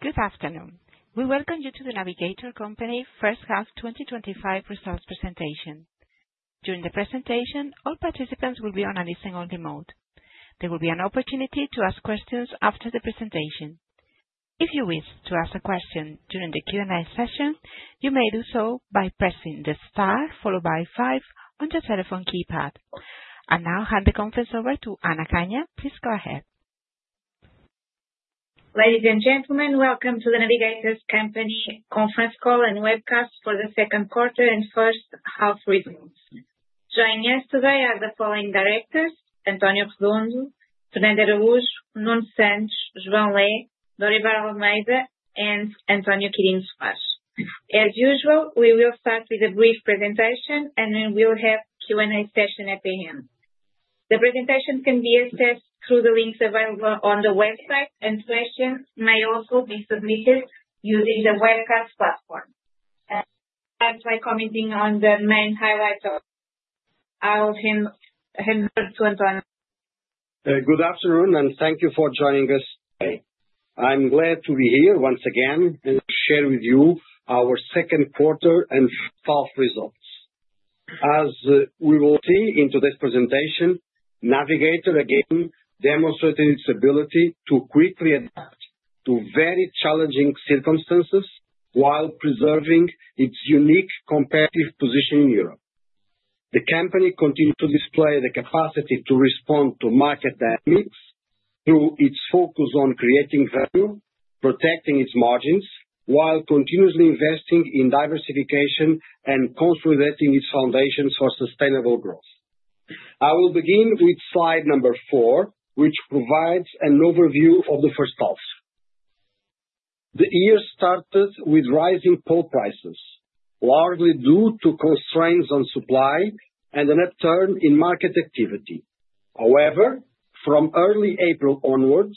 Good afternoon. We welcome you to The Navigator Company first half 2025 results presentation. During the presentation all participants will be on a listen-only mode. There will be an opportunity to ask questions after the presentation. If you wish to ask a question during the Q&A session, you may do so by pressing the star followed by five on the telephone keypad. I now hand the conference over to Ana Canha. Please go ahead. Ladies and gentlemen, welcome to The Navigator Company conference call and webcast for the second quarter and first half results. Joining us today are the following Director: António Redondo, do de Araújo, Nuno Santos, João Lé, Dorival de Almeida, and António Quirino Soares. As usual, we will start with a brief presentation and then we'll have a Q&A session at the end. The presentation can be accessed through the links available on the website and questions may also be submitted using the webcast platform. I'll start by commenting on the main highlight. I will hand over to António. Good afternoon and thank you for joining us today. I'm glad to be here once again and share with you our second quarter and half results. As we will see in today's presentation, Navigator again demonstrated its ability to quickly adapt to very challenging circumstances while preserving its unique competitive position in Europe. The company continues to display the capacity to respond to market dynamics through its focus on creating value, protecting its margins while continuously investing in diversification and consolidating its foundations for sustainable growth. I will begin with slide number four, which provides an overview of the first half. The year started with rising Pulp prices, largely due to constraints on supply and an upturn in market activity. However, from early April onwards,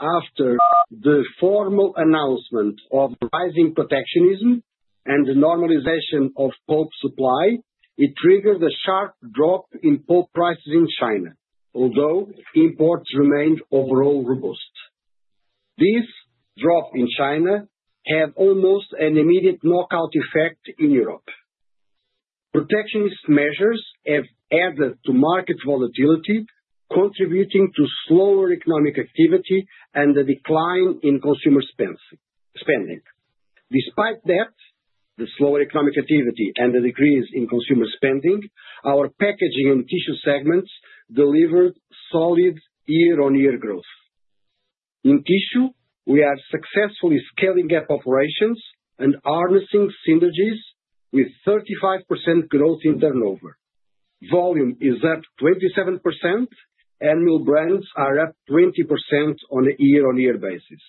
after the formal announcement of rising protectionism and the normalization of Pulp supply, it triggers a sharp drop in Pulp prices in China. Although imports remained overall robust, this drop in China had almost an immediate knockout effect. In Europe, protectionist measures have added to market volatility, contributing to slower economic activity and the decline in consumer spending. Despite that, the slower economic activity and the decrease in consumer spending, our packaging and tissue segments delivered solid year-on-year growth in tissue. We are successfully scaling up operations and harnessing synergies. With 35% growth in turnover, volume is up 27%. Animal brands are up 20% on a year-on-year basis.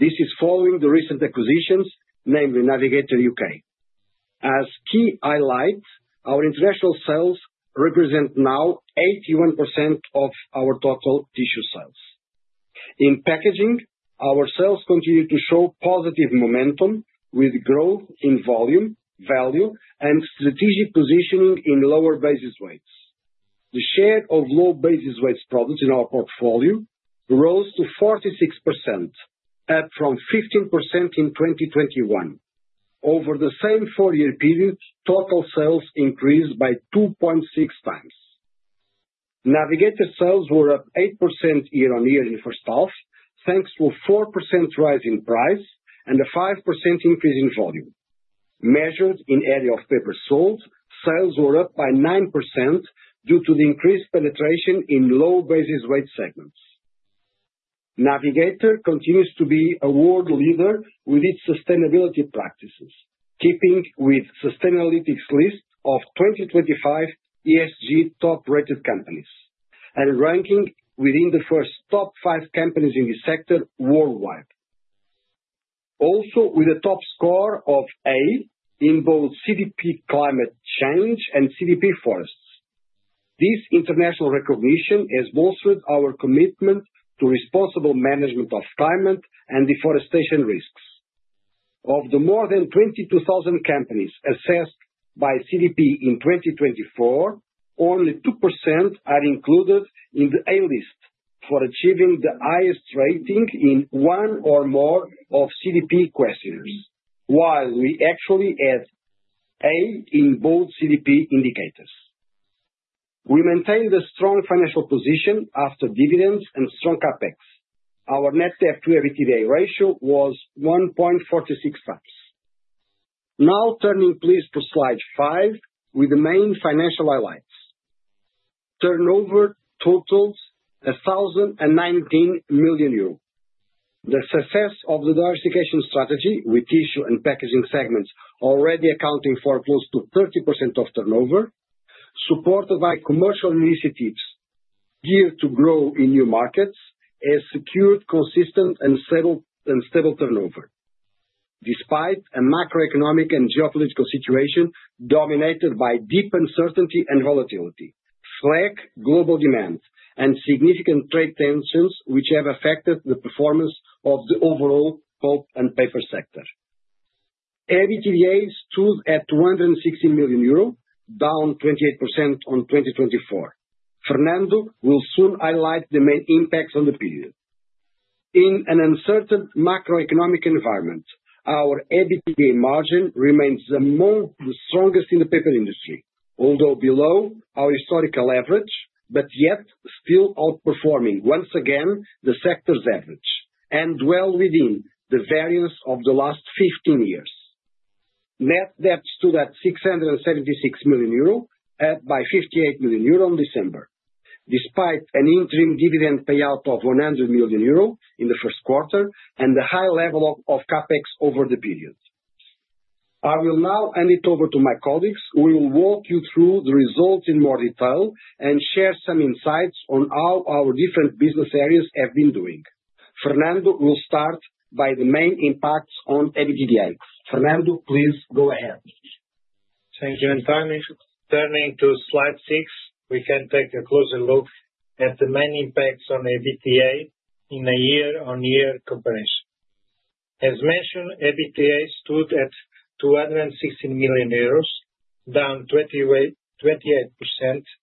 This is following the recent acquisitions, namely Navigator Tissue UK. As key highlights, our international sales represent now 81% of our Total tissue sales in packaging. Our sales continue to show positive momentum with growth in volume, value, and strategic positioning in lower basis weights. The share of low basis weights products in our portfolio rose to 46%, up from 15% in 2021. Over the same four year period, Total sales increased by 2.6 times. Navigator sales were up 8% year-on-year in first half thanks to a 4% rise in price and a 5% increase in volume. Measured in area of paper sold, sales were up by 9% due to the increased penetration in low basis weight segments. Navigator continues to be a world leader with its sustainability practices, keeping with Sustainalytics list of 2025 ESG top rated companies and ranking within the first top five companies in this sector worldwide, also with a top score of A in both CDP Climate Change and CDP Forests. This international recognition has bolstered our commitment to responsible management of climate and deforestation risks. Of the more than 22,000 companies assessed by CDP in 2024, only 2% are included in the A list for achieving the highest rating in one or more of CDP questionnaires. While we actually add A in both CDP indicators, we maintained a strong financial position after dividends and strong CapEx. Our net debt to EBITDA ratio was 1.46 times. Now turning please to slide five with the main financial highlights. Turnover Totals 1.019 billion euros. The success of the diversification strategy with tissue and packaging segments already accounting for close to 30% of turnover, supported by commercial initiatives geared to grow in new markets, has secured consistent and stable turnover despite a macroeconomic and geopolitical situation dominated by deep uncertainty and volatility, slack global demand, and significant trade tensions which have affected the performance of the overall Pulp and paper sector. EBITDA stood at EUR 216 million, down 28% on 2024. Fernando will soon highlight the main impacts on the period in an uncertain macroeconomic environment. Our EBITDA margin remains among the strongest in the paper industry, although below our historical average, yet still outperforming once again the sector's average and well within the variance of the last 15 years. Net debt stood at 676 million euro, up by 58 million euro in December, despite an interim dividend payout of 100 million euro in the first quarter and the high level of CapEx over the period. I will now hand it over to my colleagues who will walk you through the results in more detail and share some insights on how our different business areas have been doing. Fernando will start by the main impacts on EBITDA. Fernando, please go ahead. Thank you, António. Turning to slide six, we can take a closer look at the main impacts on EBITDA in a year-on-year comparison. As mentioned, EBITDA stood at 216 million euros, down 28%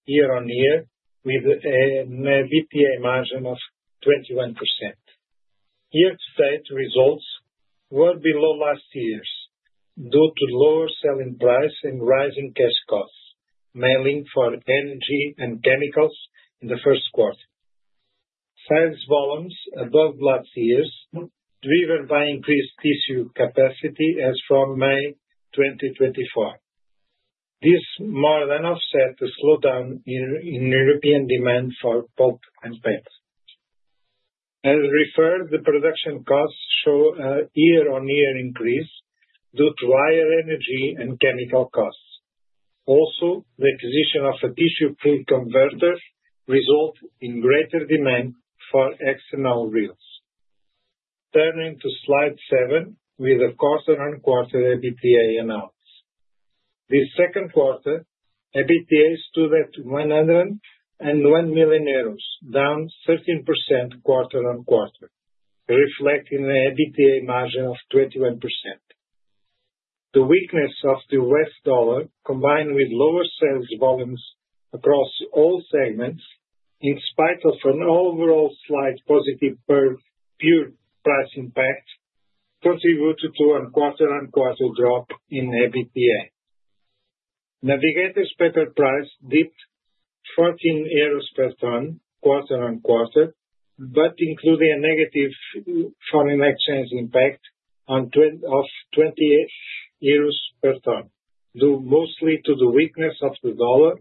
year-on-year, with an EBITDA margin of 21%. Year-to-date results were below last year's due to lower selling price and rising cash costs, mainly for energy and chemicals in the first quarter. Sales volumes were above last year's, driven by increased tissue capacity as from May 2024. This more than offset the slowdown in European demand for Pulp and PET. As referred, the production costs show a year-on-year increase due to higher energy and chemical costs. Also, the acquisition of a tissue free converter resulted in greater demand for external reels. Turning to slide seven with a quarter-on-quarter EBITDA analysis, this second quarter EBITDA stood at EUR 101 million, down 13% quarter-on-quarter, reflecting an EBITDA margin of 21%. The weakness of the U.S. dollar, combined with lower sales volumes across all segments, in spite of an overall slight positive pure price impact, contributed to a quarter-on-quarter drop in EBITDA. Navigator's Pulp price dipped 14 euros per ton quarter-on-quarter, but including a negative foreign exchange impact of 28 euros per ton due mostly to the weakness of the dollar,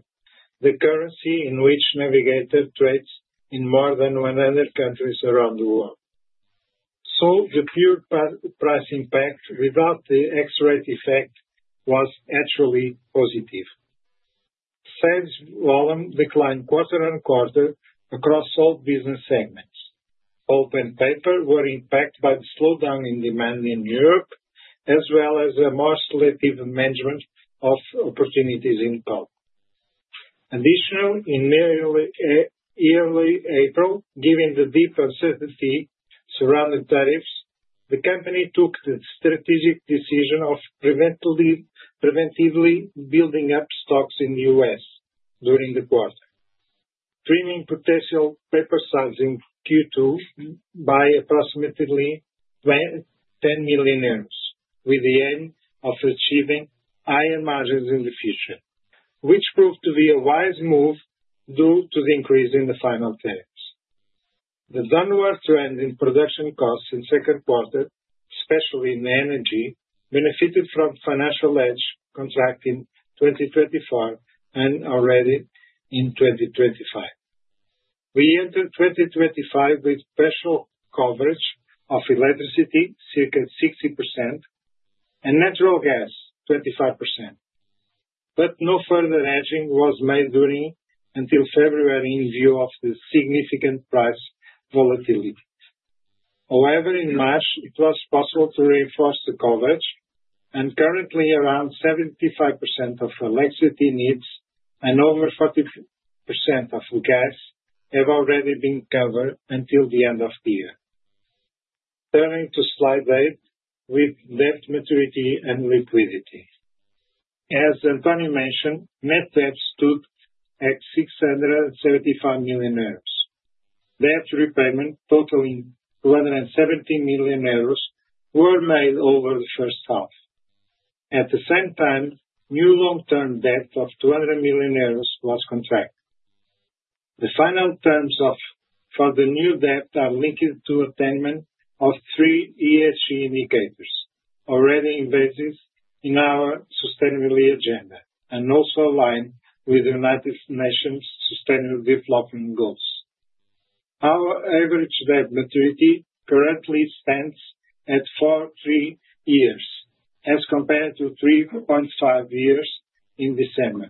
the currency in which Navigator trades in more than 100 countries around the world. The pure price impact without the exchange rate effect was actually positive. Sales volume declined quarter-on-quarter across all business segments. Output in paper was impacted by the slowdown in demand in Europe as well as a more selective management of opportunities in Pulp. Additionally, in early April, given the deep uncertainty surrounding tariffs, the company took the strategic decision of preventively building up stocks in the U.S. during the quarter, trimming potential paper sales in Q2 by approximately 10 million euros, with the aim of achieving higher margins in the future, which proved to be a wise move due to the increase in the final tariffs. The downward trend in production costs in the second quarter, especially in energy, benefited from financial hedge contracts in 2024 and already in 2025. We entered 2025 with special coverage of electricity at 60% and natural gas at 25%, but no further hedging was made until February in view of the significant price volatility. However, in March it was possible to reinforce the coverage and currently around 75% of electricity needs and over 40% of gas have already been covered until the end of the year, turning to slide eight with debt maturity and liquidity. As António mentioned, net debt stood at 635 million euros. Debt repayment totaling 217 million euros was made over the first half. At the same time, new long-term debt of 200 million euros was contracted. The final terms for the new debt are linked to attainment of three ESG indicators already invested in our sustainability agenda and also aligned with United Nations Sustainable Development Goals. Our average debt maturity currently stands at 4.3 years as compared to 3.5 years in December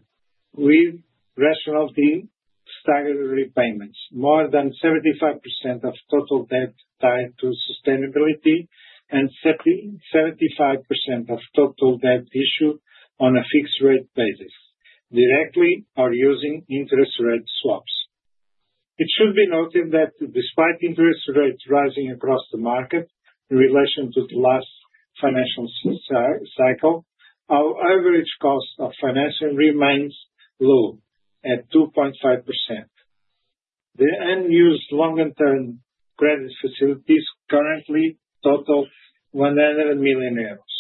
with rational, deemed staggered repayments. More than 75% of Total debt is tied to sustainability and 75% of Total debt is issued on a fixed rate basis directly or using interest rate swaps. It should be noted that despite interest rates rising across the market in relation to the last financial cycle, our average cost of financing remains low at 2.5%. The unused longer-term credit facilities currently total 100 million euros.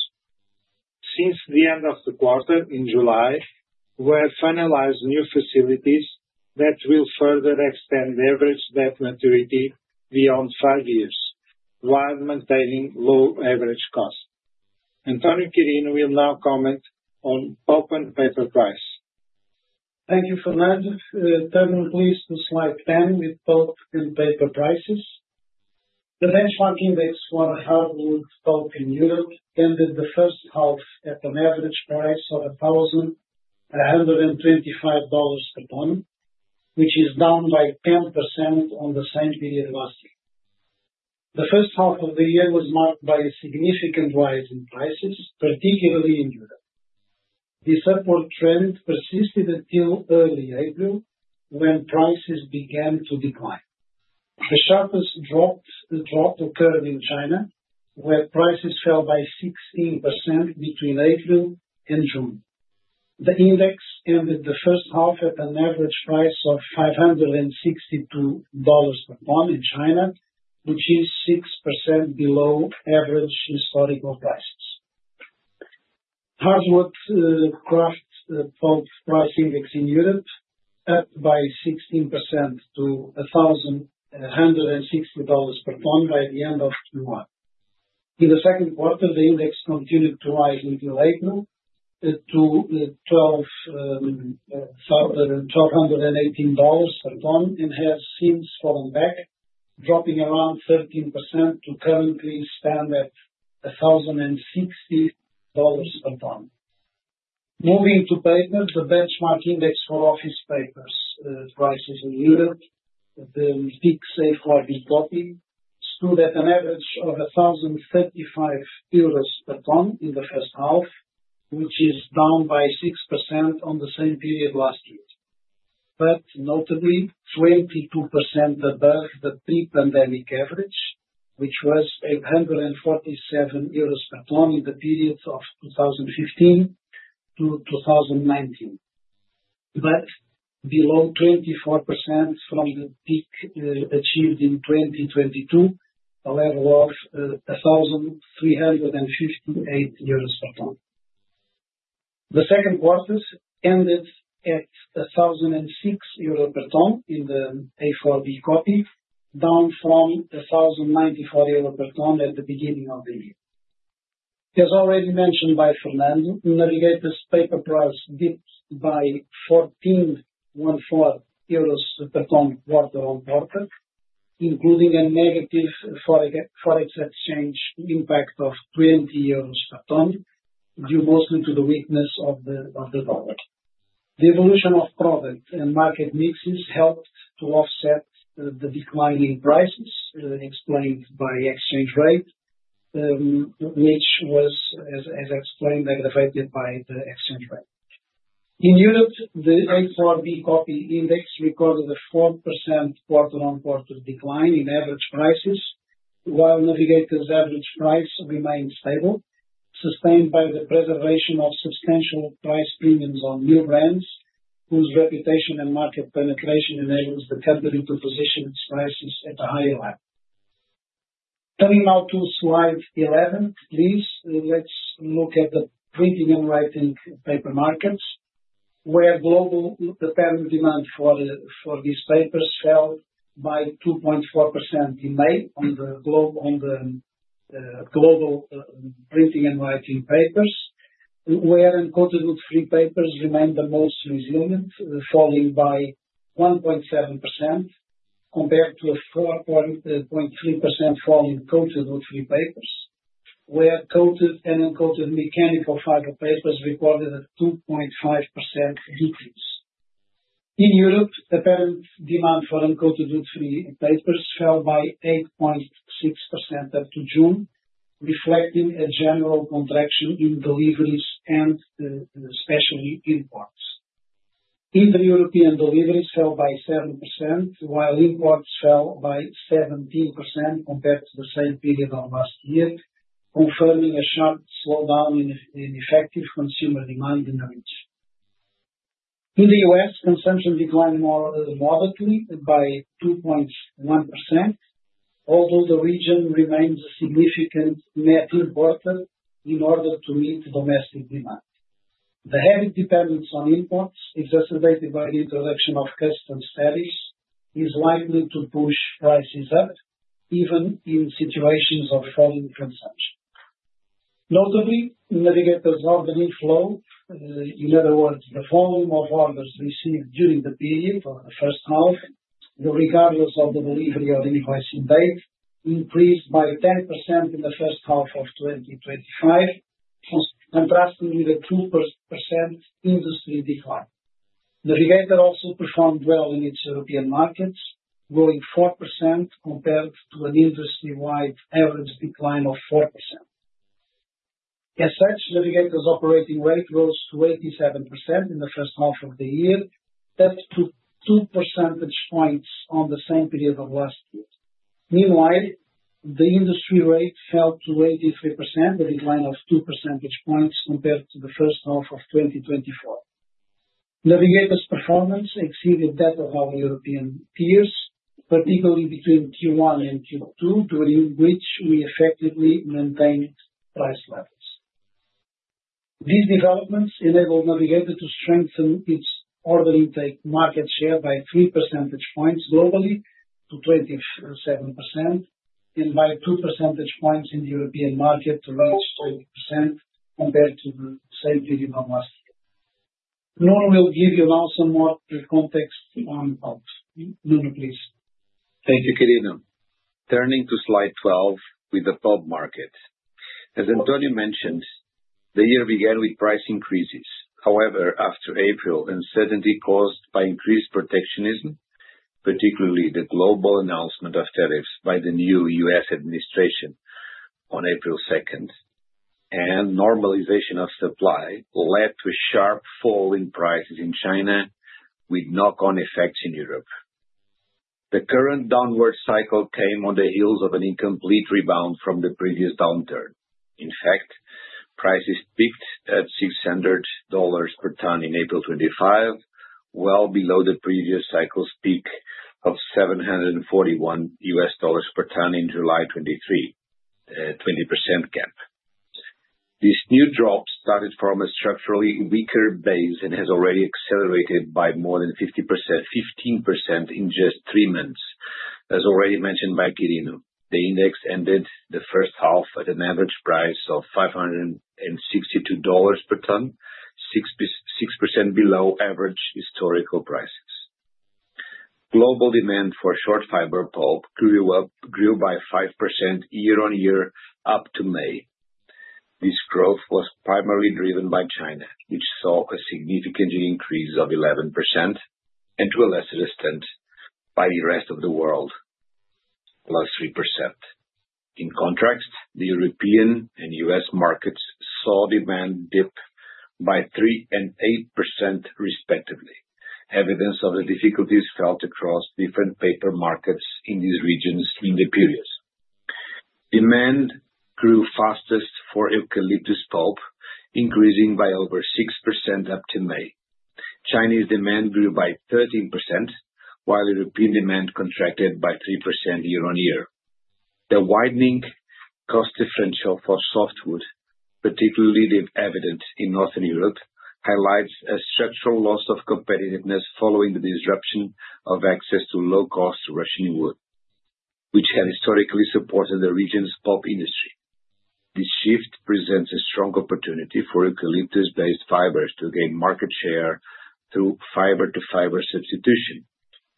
Since the end of the quarter in July, new facilities were finalized that will further extend average debt maturity beyond five years while maintaining low average cost. António Quirino will now comment on open paper price. Thank you, Fernando, turning please. Thank you, Fernando, turning please to slide 10 with Pulp and paper prices, the benchmark index 100 Pulp in Europe ended the first half at an average price of $1,125 per ton, which is down by 10% on the same period last year. The first half of the year was marked by a significant rise in prices, particularly in Europe. This upward trend persisted until early April, when prices began to decline. The sharpest drop occurred in China, where prices fell by 16% between April and June. The index ended the first half at an average price of $562 per ton in China, which is 6% below average historical prices. Hardwood Kraft Pulp Price index in Europe was up by 16% to $1,160 per ton by the end of Q1. In the second quarter, the index continued to rise until April to $1,218 and has since fallen back, dropping around 13% to currently stand at $1,060 per ton. Moving to papers, the benchmark index for office papers prices in Europe, the peak Safeguard Copy stood at an average of 1,035 euros per ton in the first half, which is down by 6% on the same period last year, but notably 22% above the pre-pandemic average, which was 847 euros per ton in the period of 2015-2019, but below 24% from the peak achieved in 2022, a level of 1,358 euros per ton. The second quarter ended at 1,006 euro per ton in the A4B Copy, down from 1,094 euro per ton at the beginning of the year. As already mentioned by António Redondo, Navigator's paper price dipped by 14 euros per ton quarter on quarter, including a negative forex exchange impact of 20 euros per ton due mostly to the weakness of the dollar. The evolution of product and market mixes helped to offset the declining prices explained by exchange rate, which was, as explained, aggravated by the exchange rate. In Europe, the A4B Copy index recorded a 4% quarter on quarter decline in average prices, while Navigator's average price remained stable, sustained by the preservation of substantial price premiums on new brands whose reputation and market penetration enables the company to position its prices at a higher level. Turning now to slide 11, let's look at the printing and writing paper markets, where global apparent demand for these papers fell by 2.4% in May. On the global printing and writing papers, where uncoated woodfree papers remain the most, resumed falling by 1.7% compared to a 4.3% fall in coated woodfree papers, where coated and uncoated mechanical fiber papers recorded a 2.5% decrease. In Europe, apparent demand for uncoated free papers fell by 8.6% up to June, reflecting a general contraction in deliveries and especially imports. Inter-European deliveries fell by 7% while imports fell by 17% compared to the same period of last year, confirming a sharp slowdown in effective consumer demand in the region. In the U.S., consumption declined moderately by 2.1%. Although the region remains a significant met important in order to meet domestic demand, the heavy dependence on imports, exacerbated by the introduction of custom status, is likely to push prices up even in situations of falling consumption. Notably, Navigator's ordering flow, in other words, the form of orders received during the period or the first half regardless of the delivery of increasing date, increased by 10% in the first half of 2025, contrasting with a 2% industry decline. Navigator also performed well in its European markets, growing 4% compared to an industry-wide average decline of 4%. As such, Navigator's operating rate rose to 87% in the first half of the year, that to 2 percentage points on the same period of last year. Meanwhile, the industry rate fell to 83%, a decline of 2 percentage points compared to the first half of 2024. Navigator's performance exceeded that of our European peers, particularly between Q1 and Q2, during which we effectively maintained price levels. These developments enabled Navigator to strengthen its order intake market share by 3 percentage points globally to 27% and by 2 percentage points in the European market to range 20% compared to the same period of last year. Nuno will give you now some more context on Pulp. Nuno, please. Thank you. Quirino, turning to slide 12 with the Pulp market. As António mentioned, the year began with price increases. However, after April, uncertainty caused by increased protectionism, particularly the global announcement of tariffs by the new U.S. administration on April 2nd and normalization of supply, led to a sharp fall in prices in China with knock-on effects in Europe. The current downward cycle came on the heels of an incomplete rebound from the previous downturn. In fact, prices peaked at $600 per ton in April 2025, well below the previous cycle's peak of $741 per ton in July 2023. The 20% gap in this new drop started from a structurally weaker base and has already accelerated by more than 15% in just three months. As already mentioned by Quirino, the index ended the first half at an average price of $562 per ton, 6% below average historical prices. Global demand for short fiber Pulp grew by 5% year-on-year up to May. This growth was primarily driven by China, which saw a significant increase of 11%, and to a lesser extent by the rest of the world at +3%. In contrast, the European and U.S. markets saw demand dip by 3% and 8% respectively, evidence of the difficulties felt across different paper markets in these regions in the period. Demand grew fastest for eucalyptus Pulp, increasing by over 6% up to May. Chinese demand grew by 13% while European demand contracted by 3% year-on-year. The widening cost differential for softwood, particularly evident in Northern Europe, highlights a structural loss of competitiveness following the disruption of access to low-cost Russian wood, which had historically supported the region's Pulp industry. This shift presents a strong opportunity for eucalyptus-based fibers to gain market share through fiber-to-fiber substitution,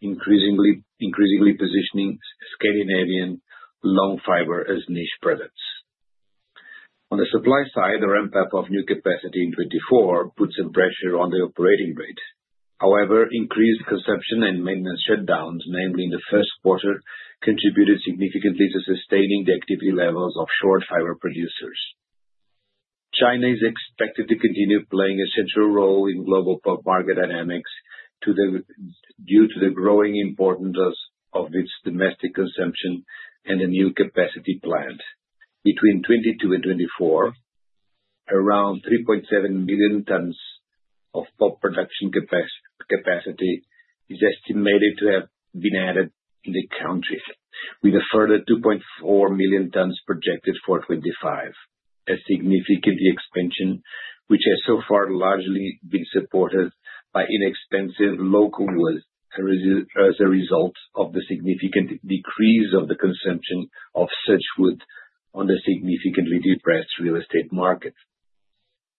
increasingly positioning Scandinavian long fiber as niche products. On the supply side, the ramp up. Of new capacity in 2024 put some pressure on the operating rate. However, increased consumption and maintenance shutdowns, namely in the first quarter, contributed significantly to sustaining the activity levels of short fiber producers. China is expected to continue playing a central role in global market dynamics due to the growing importance of its domestic consumption and a new capacity plant between 2022 and 2024. Around 3.7 million tons of Pulp production capacity is estimated to have been added in the country, with a further 2.4 million tons projected for 2025, a significant expansion which has so far largely been supported by inexpensive local woods. As a result of the significant decrease of the consumption of such wood on the significantly depressed real estate market,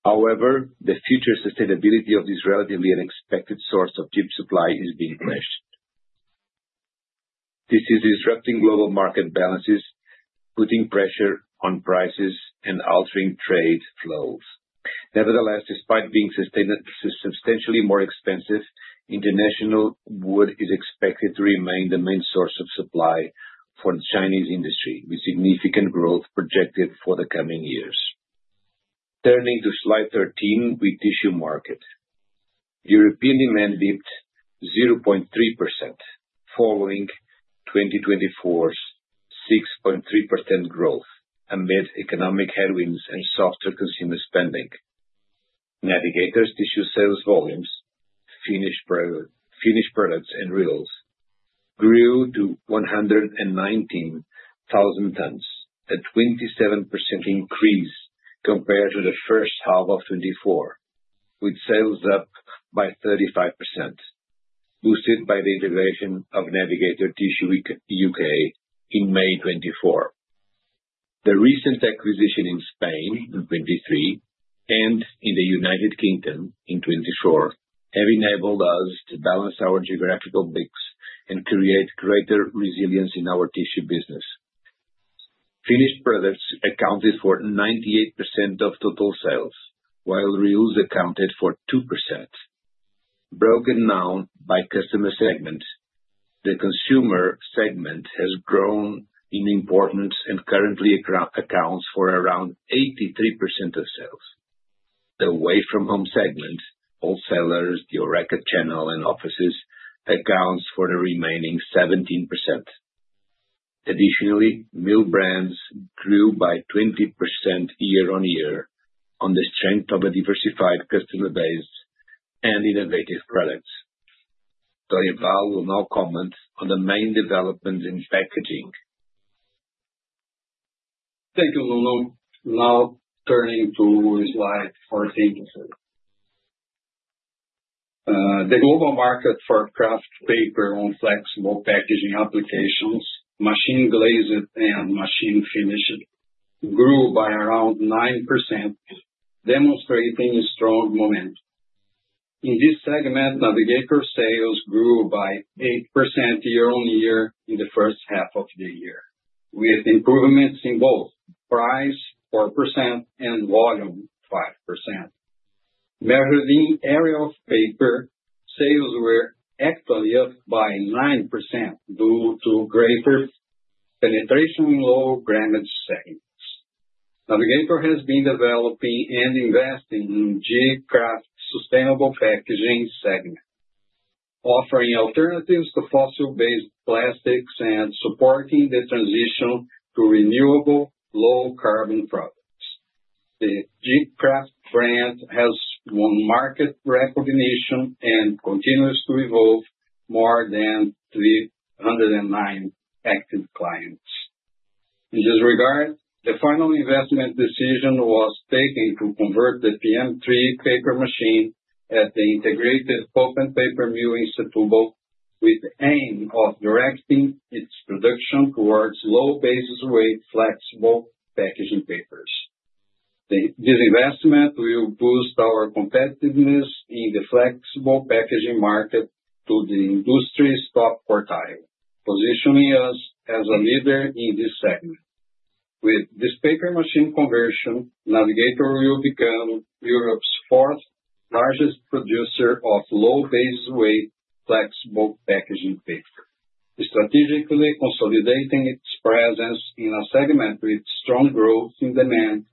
the future sustainability of this relatively unexpected source of chip supply is being questioned. This is disrupting global market balances, putting pressure on prices and altering trade flows. Nevertheless, despite being substantially more expensive, international wood is expected to remain the main source of supply for the Chinese industry, with significant growth projected for the coming years. Turning to slide 13, weak tissue market European demand dipped 0.3% following 2023's 6.3% growth amid economic headwinds and softer consumer spending. Navigator's tissue sales volumes, finished products and reels grew to 119,000 tons, a 27% increase compared to first half of 2024, with sales up by 35%, boosted by the integration of Navigator Tissue UK in May 2024. The recent acquisition in Spain in 2023 and in the UK in 2024 have enabled us to balance our geographical mix and create greater resilience in our tissue business. Finished products accounted for 98% of Total sales while reels accounted for 2%. Broken down by customer segment, the consumer segment has grown in importance and currently accounts for around 83% of sales. Away from home segment wholesalers, the HoReCa channel, and offices account for the remaining 17%. Additionally, mill brands grew by 20% year-on-year on the strength of a diversified customer base and innovative products. Dorival de Almeida will now comment on the main developments in packaging. Thank you, Nuno. Now turning to slide 14. The global. Market for kraft paper on flexible packaging applications, machine glazed and machine finished, grew by around 9%, demonstrating strong momentum in this segment. Navigator sales grew by 8% year-on-year in the first half of the year, with improvements in both price 4% and volume 5%. Merridin area of paper sales were actually up by 9% due to greater penetration. Low grammage segments, Navigator has been developing and investing in gKRAFT sustainable packaging segment, offering alternatives to fossil-based plastics and supporting the transition to renewable low carbon products. The gKRAFT brand has won market record recognition and continues to evolve, more than 309 active clients. In this regard, the final investment decision was taken to convert the PM3 Paper machine at the integrated Pulp and Paper mill in Setúbal, with the aim of directing its production towards low basis weight flexible packaging papers. This investment will boost our competitiveness in the flexible packaging market to the industry's top quartile, positioning us as a leader in this segment. With this paper machine conversion, Navigator will become Europe's fourth largest producer of low basis weight flexible packaging paper, strategically consolidating its presence in a segment with strong growth in demand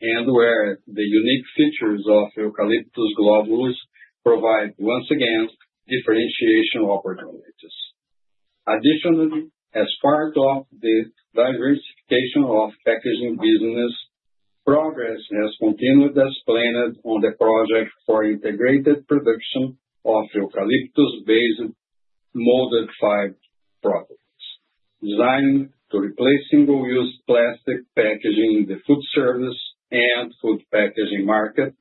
and where the unique features of Eucalyptus globulus provide once again differentiation opportunities. Additionally, as part of the diversification of packaging business, progress has continued as planned on the project for integrated production of eucalyptus-based modified properties designed to replace single use plastic packaging in the food service and food packaging market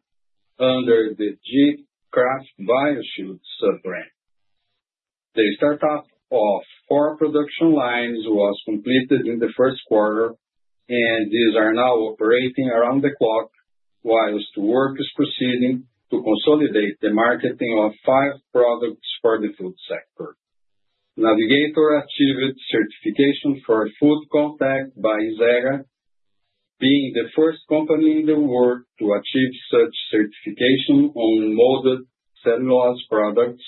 under the. gKRAFT BioShield sub-brand. The startup of four production lines was completed in the first quarter, and these are now operating around the clock, whilst work is proceeding to consolidate the marketing of five products for the food sector. Navigator achieved certification for food contact by SGS, being the first company in the world to achieve such certification on molded cellulose products,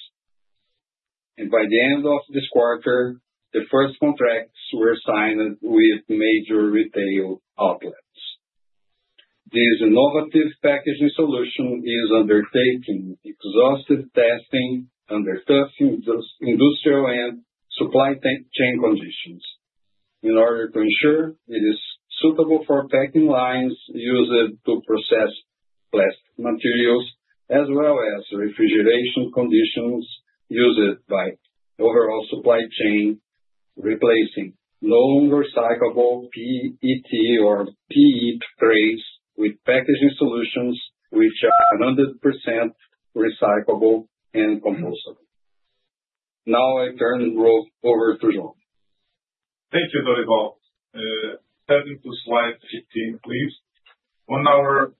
and by the end of this quarter the first contracts were signed with major retail outlets. This innovative packaging solution is undertaken because of exhaustive testing under tough industrial and supply chain conditions in order to ensure it is suitable for packing lines used to process plastic materials as well as refrigeration conditions used by the overall supply chain. Replacing long recyclable PET or teat trays with packaging solutions which are 100% recyclable and compostable. Now I turn over to you, thank you. Turning to slide 15 please. Our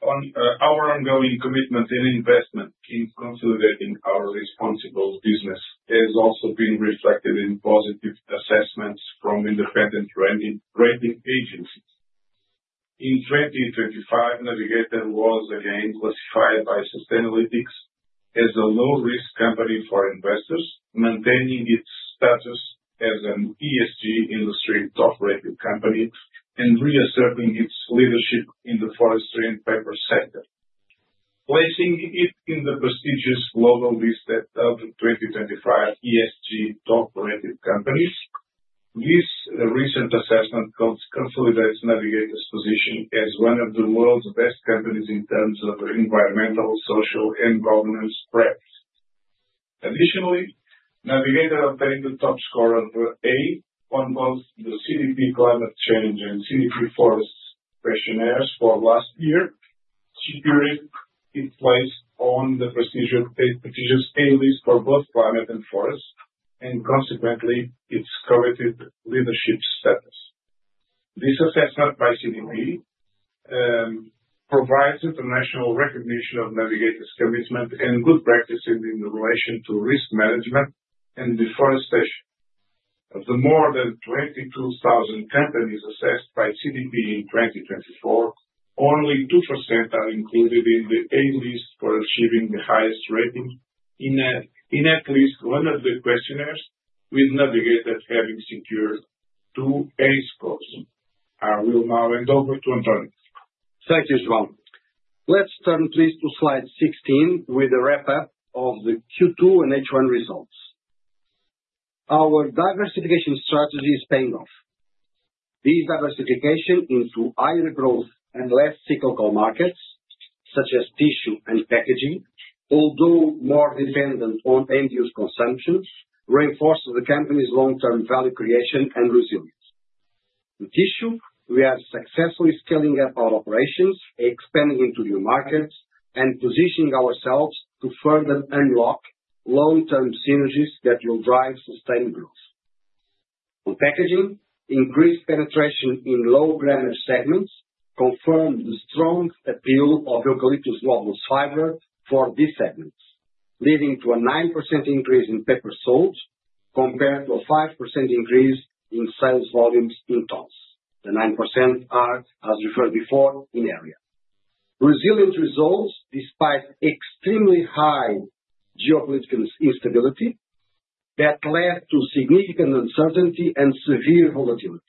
ongoing commitment and investment in consolidating our responsible business has also been reflected in positive assessments from independent rating agencies. In 2025 Navigator was again classified by Sustainalytics as a low risk company for investors, maintaining its status as an ESG industry top rated company and reasserting its leadership in the forestry and paper sector, placing it in the prestigious global list at 2025 ESG Top Rated Companies. This recent assessment consolidates Navigator's position as one of the world's best companies in terms of environmental, social, and governance practices. Additionally, Navigator obtained the top score of A on both the CDP Climate Change and CDP Forest questionnaires for last year. She agreed in place on the procedure to take partitions cabalies for both climate and forest and consequently its coveted leadership status. This assessment by CDP provides international recognition of Navigator's commitment and good practices in relation to risk management and deforestation. Of the more than 22,000 companies assessed by CDP in 2024, only 2% are included in the A list for achieving the highest rating in at least one of the questionnaires. We've navigated having secured two ACE codes. I will now hand over to António. Thank you, Fernan. Let's turn, please, to slide 16 with a wrap-up of the Q2 and H1 results. Our diversification strategy is paying off. This diversification into higher growth and less cyclical markets such as tissue and packaging, although more dependent on end use consumption, reinforces the company's long-term value creation and resilience in tissue. We are successfully scaling up our operations, expanding into new markets, and positioning ourselves to further unlock long-term synergies that will drive sustained growth on packaging. Increased penetration in low grammage segments confirmed the strong appeal of Eucalyptus globulus fiber for these segments, leading to a 9% increase in paper sold compared to a 5% increase in sales volumes in tons. The 9% are, as referred before, in area resilient results. Despite extremely high geopolitical instability that led to significant uncertainty and severe volatility,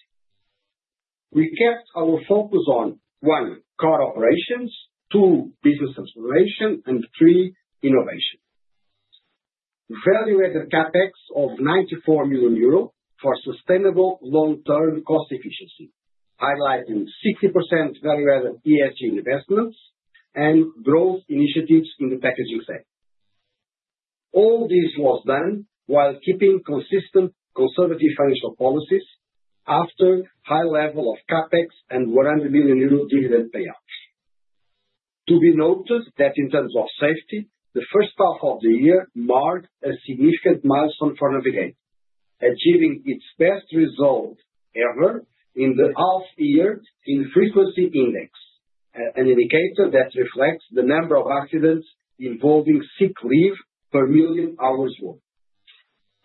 we kept our focus on 1. core operations, 2. business acceleration, and 3. innovation. Value-added CapEx of 94 million euro for sustainable long-term cost efficiency, highlighting 60% value-added ESG investments and growth initiatives in the packaging sector. All this was done while keeping consistent, conservative financial policies after high level of CapEx and 100 million euro dividend payouts. To be noted that in terms of safety, the first half of the year marked a significant milestone for Navigator, achieving its best result ever in the Half Year Infrequency Index, an indicator that reflects the number of accidents involving sick leave per million hours worked.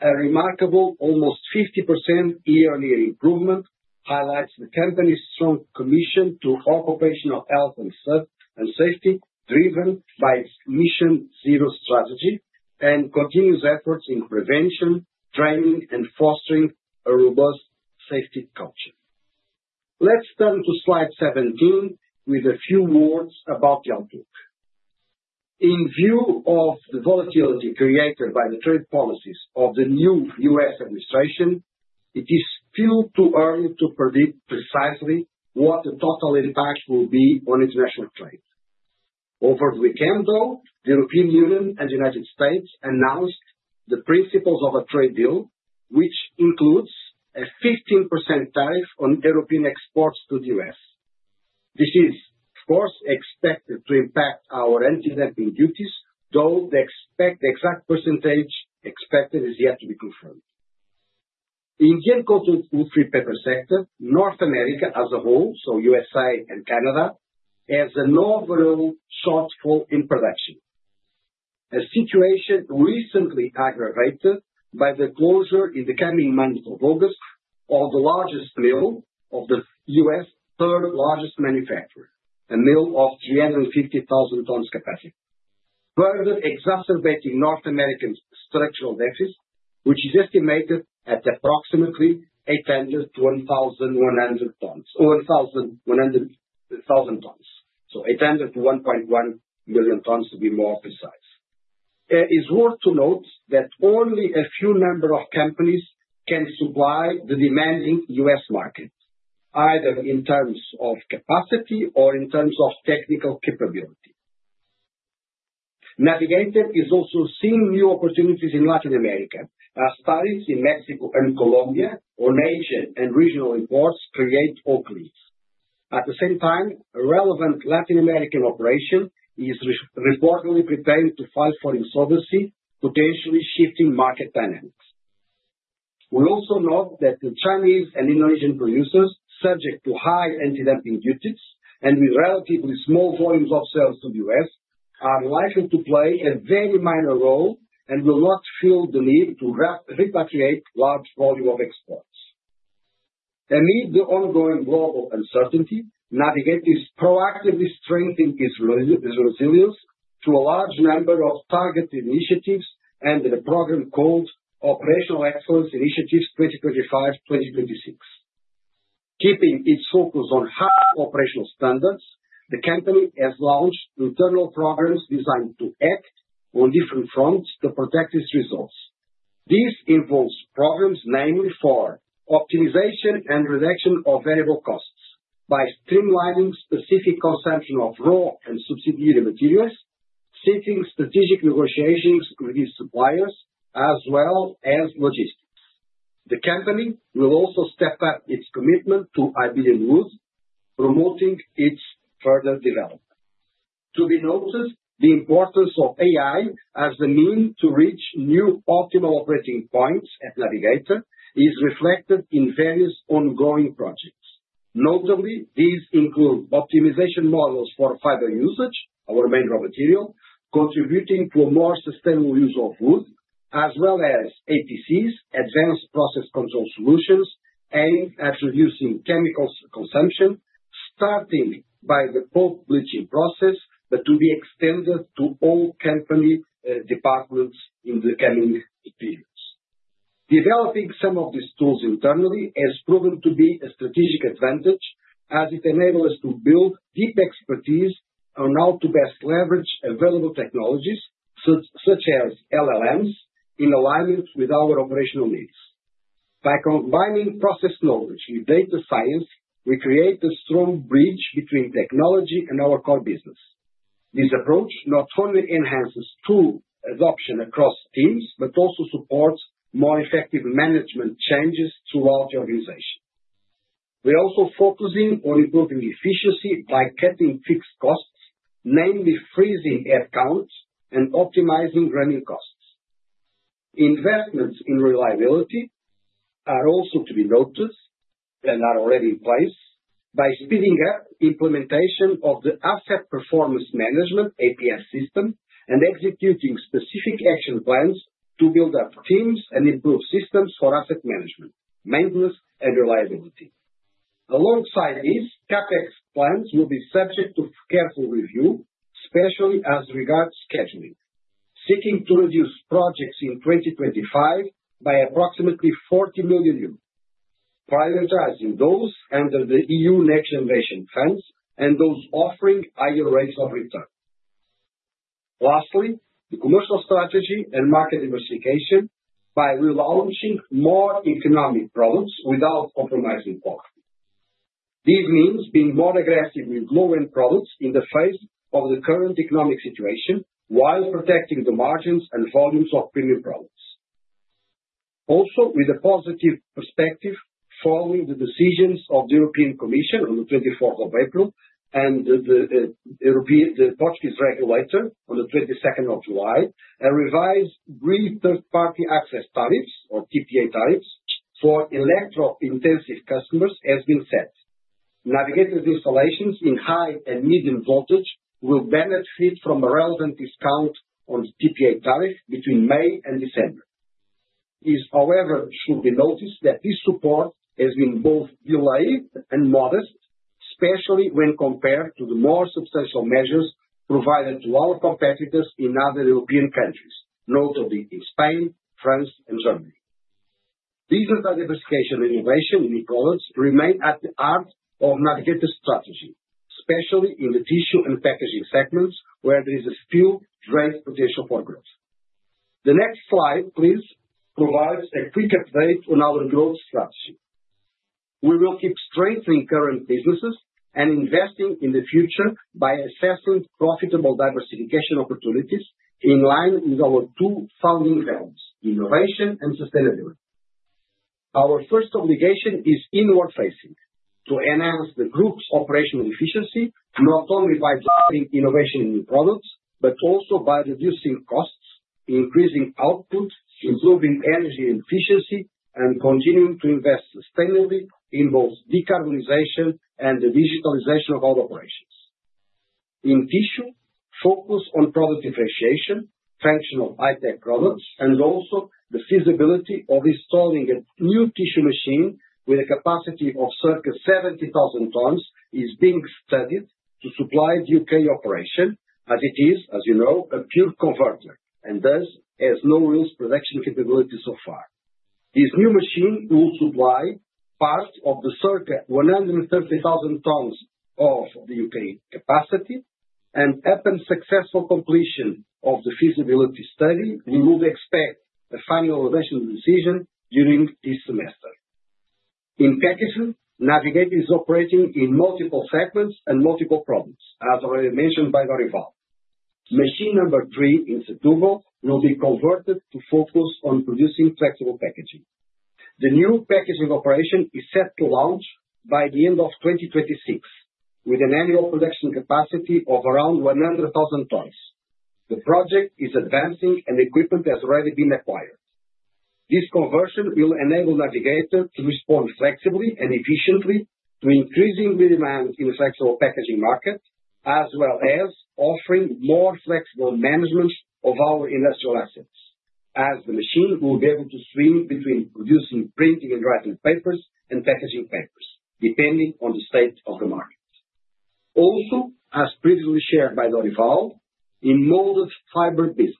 A remarkable, almost 50% year-on-year improvement highlights the company's strong commitment to occupational health and safety, driven by its Mission Zero strategy and continuous efforts in prevention, training, and fostering a robust safety culture. Let's turn to slide 17 with a few words about the outlook. In view of the volatility created by the trade policies of the new U.S. Administration, it is still too early to predict precisely what the total impact will be. Be on international trade. Over the weekend, though, the European Union and the United States announced the principles of a trade deal which includes a 15% tariff on European exports to the U.S. This is of course expected to impact our anti-netting duties, though the exact percentage expected is yet to be confirmed in the uncover sector. North America as a whole, so U.S. and Canada, has an overall shortfall in production, a situation recently aggravated by the closure in the carrying months of August of the largest mill of the U.S. third largest manufacturer, a mill of 350,000 tons capacity, further exacerbating North American structural deficits which is estimated at approximately 800-1,100,000 tons, or 800 million-1.1 million tons to be more precise. It's worth to note that only a few number of companies can supply the demanding U.S. market either in terms of capacity or in terms of technical capability. Navigator is also seeing new opportunities in Latin America as parties in Mexico and Colombia on Asia and regional imports create oak leaves. At the same time, relevant Latin American operation is reportedly pertained to fight for insolvency, potentially shifting market dynamics. We also note that the Chinese and Indonesian producers subject to high anti-dumping duties and with relatively small volumes of sales to the U.S. are likely to play a very minor role and will not feel the need to repatriate large volume of exports amid the ongoing global uncertainty. Navigator is proactively strengthening its resilience to a large number of targeted initiatives under the program called Operational Excellence Initiatives 2025-2026. Keeping its focus on high operational standards, the company has launched internal programs designed to act on different fronts to protect its results. This involves problems, namely for optimization and reduction of variable costs by streamlining specific consumption of raw and subsidiary materials, seeking strategic negotiations with its suppliers as well as logistics. The company will also step up its commitment to IBM root, promoting its further development. To be noted, the importance of AI as the means to reach new optimal operating points at Navigator is reflected in various ongoing projects. Notably, these include optimization models for fiber usage, our main raw material, contributing to a more sustainable use of wood, as well as APCs, advanced process control solutions, and introducing chemicals consumption starting with the Pulp bleaching process that will be extended to all company departments in the coming periods. Developing some of these tools internally has proven to be a strategic advantage as it enables us to build deep expertise on how to best leverage available technologies such as LLMs in alignment with our operational needs. By combining process knowledge with data science, we create a strong bridge between technology and our core business. This approach not only enhances tool adoption across teams, but also supports more effective management changes throughout the organization. We are also focusing on improving efficiency by cutting fixed costs, namely freezing headcounts and optimizing running costs. Investments in reliability are also to be noticed and are already in place by speeding up implementation of the asset performance management APS system and executing specific action plans to build up teams and improve systems for asset management, maintenance, and reliability. Alongside these, CapEx plans will be subject to careful review, especially as regards scheduling, seeking to reduce projects in 2025 by approximately 40 million euros, prioritizing those under the EU Next Innovation Funds and those offering higher rates of return. Lastly, the commercial strategy and market diversification by relaunching more economic products without compromising quality. This means being more aggressive with low end products in the face of the current economic situation while protecting the margins and volumes of premium products. Also with a positive perspective, following the decisions of the European Commission on 24th of April and the Portuguese regulator 22nd of July, a revised brief third party access tariffs or TPA tariffs for electro-intensive customers has been set. Navigator installations in high and medium voltage will benefit from a relevant discount on TPA tariff between May and December. It, however, should be noticed that this support has been both delayed and modest, especially when compared to the more substantial measures provided to our competitors in other European countries, notably in Spain, France, and Germany. Business diversification and innovation in ecology remain at the heart of Navigator strategy, especially in the tissue and packaging segments where there is a skilled rate potential for growth. The next slide, please, provides a quick update on our growth strategy. We will keep strengthening current businesses and investing in the future by assessing profitable diversification opportunities in line with our two founding values, innovation and sustainability. Our first obligation is inward facing to enhance the group's operational efficiency not only by driving innovation in new products but also by reducing costs, increasing output, improving energy and efficiency, and continuing to invest sustainably. This involves decarbonization and the digitalization of all operations in tissue. Focus on product differentiation, function of high tech products, and also the feasibility of installing a new tissue machine with a capacity of circa 70,000 tons is being studied to supply the UK operation as it is, as you know, a pure converter and thus has no real production capability. This new machine will supply part of the circa 130,000 tons of the UK capacity and upon successful completion of the feasibility study we would expect a final rational decision during this semester. In packaging, Navigator is operating in multiple segments and multiple problems. As already mentioned by Dorival de Almeida, machine number three in Setúbal will be converted to focus on producing flexible packaging. The new packaging operation is set to launch by the end of 2026 with an annual production capacity of around 100,000 tons. The project is advancing and equipment has already been acquired. This conversion will enable Navigator to respond flexibly and efficiently to increasing demand in the flexible packaging market as well as offering more flexible management of our industrial assets as the machine will be able to swing between producing printing and writing papers and packaging papers depending on the state of the market. Also, as previously shared by Dorival de Almeida, in molded fiber packaging business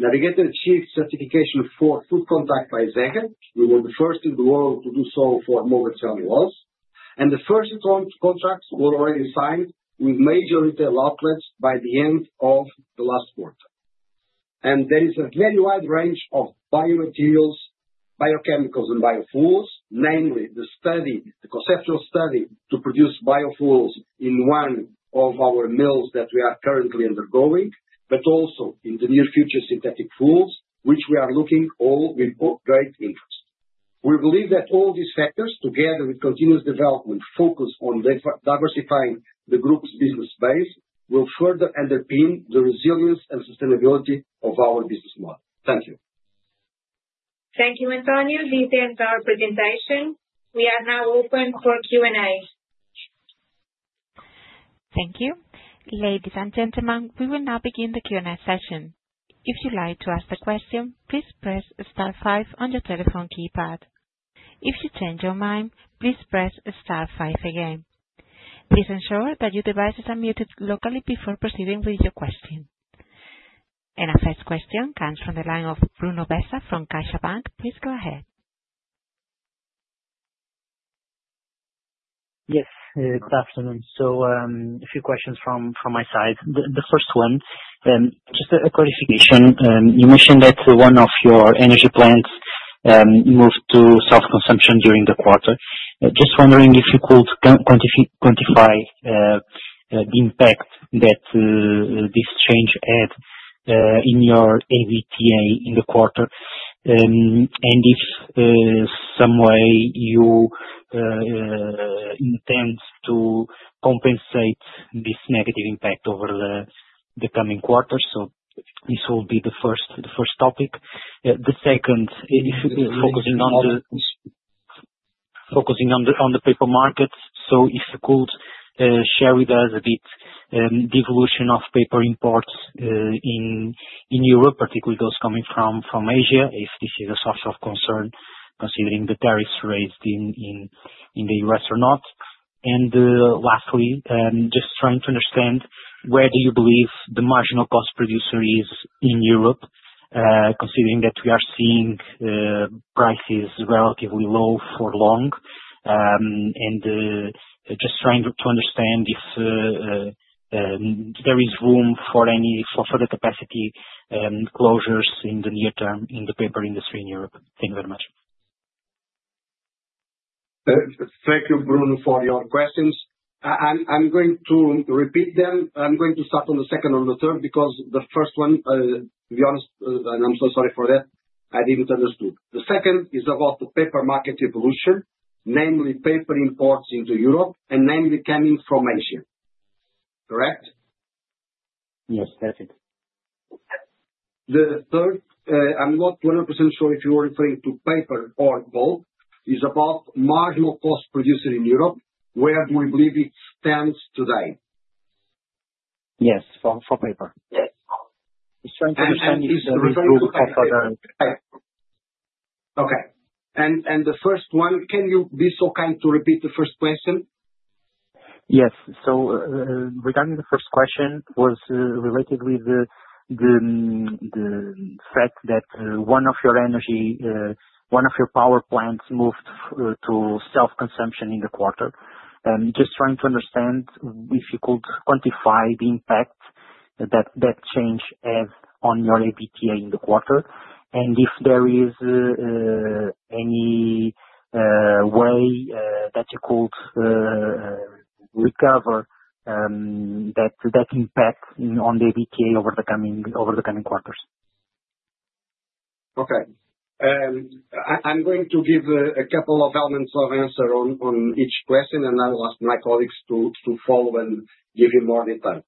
Navigator achieved certification for food contact by ISEGA. We were the first in the world to do so for molded channel and the first contracts were already signed with major retail outlets by the end of the last quarter and there is a very wide range of biomaterials, biochemicals, and biofuels. Namely the study, the conceptual study to produce biofuels in one of our mills that we are currently undergoing, but also in the near future synthetic fuels which we are looking all with great interest. We believe that all these factors, together with continuous development focused on diversifying the group's business base, will further underpin the resilience and sustainability of our business model. Thank you. Thank you, António. This ends our presentation. We are now open for Q and A. Thank you, ladies and gentlemen. We will now begin the Q and A session. If you would like to ask a question, please press 5 on your telephone keypad. If you change your mind, please press 5 again. Please ensure that your device is unmuted locally before proceeding with your question. Our first question comes from the line of Bruno Bessa from CaixiaBank. Please go ahead. Yes, good afternoon. A few questions from my side. The first one, just a clarification. You mentioned that one of your energy. Plants moved to south consumption during the quarter. Just wondering if you could quantify the impact that this change had in your EBITDA in the quarter, and if some way you intend to continue to compensate this negative impact over the coming quarters. This will be the first topic, the second. Focusing on the paper market. If you could share with us a bit the evolution of paper imports in Europe, particularly those coming from Asia, if this is a source of concern considering the tariffs raised in the U.S. or not. Lastly, just trying to understand where do you believe the marginal cost producer is in Europe, considering that we are seeing prices relatively low for long, and just trying to understand if there is room for any further capacity closures in the near term in the paper industry in Europe. Thank you very much. Thank you, Bruno, for your questions. I'm going to repeat them. I'm going to start on the second and the third because the first one, to be honest, and I'm so sorry for that, I didn't understand. The second is about the paper market evolution, namely paper imports into Europe and namely coming from Asia, correct? Yes, that's it. The third, I'm not 100% sure if you are referring to paper or gold, is about marginal cost producer in Europe. Where do we believe it stands today? Yes, for paper. Yes, trying to understand. Okay. The first one, can you be so kind to repeat the first question? Yes, regarding the first question, it was related with the fact that one of your power plants moved to self consumption in the quarter. Just trying to understand if you could quantify the impact that that change has on your EBITDA in the quarter, and if there is any way that you could recover that impact on the EBITDA over the coming quarters. Okay, I'm going to give a couple of elements of answer on each question, and I will ask my colleagues to follow and give you more detail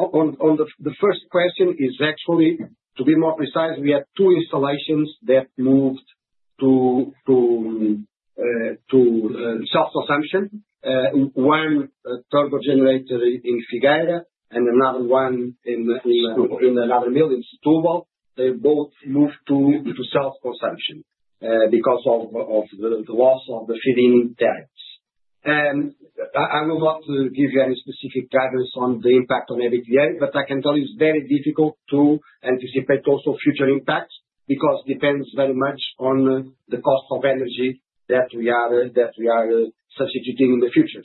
on. The first question is actually, to be more precise, we had two installations that moved to self consumption. One turbo generator in Figueira and another one in another mill in Setúbal. They both moved to self consumption because of the loss of the feeding tariffs. I will not give you any specific guidance on the impact on EBITDA, but I can tell you it's very difficult to anticipate also future impacts because it depends very much on the cost of energy that we are substituting in the future.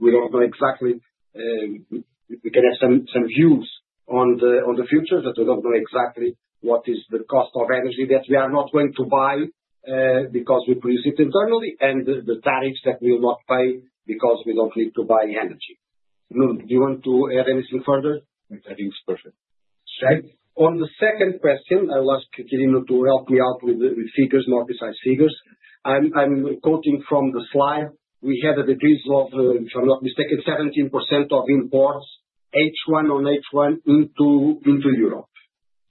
We don't know exactly. We can have some views on the future, but we don't know exactly what is the cost of energy that we are not going to buy because we produce it internally and the tariffs that we will not pay because we don't need to buy energy. Nuno, do you want to add anything further? I think it's perfect. On the second question I will ask Quirino to help me out with figures, more precise figures. I'm quoting from the slide we had the degrees of, if I'm not mistaken, 17% of imports H1 on H1 into Europe,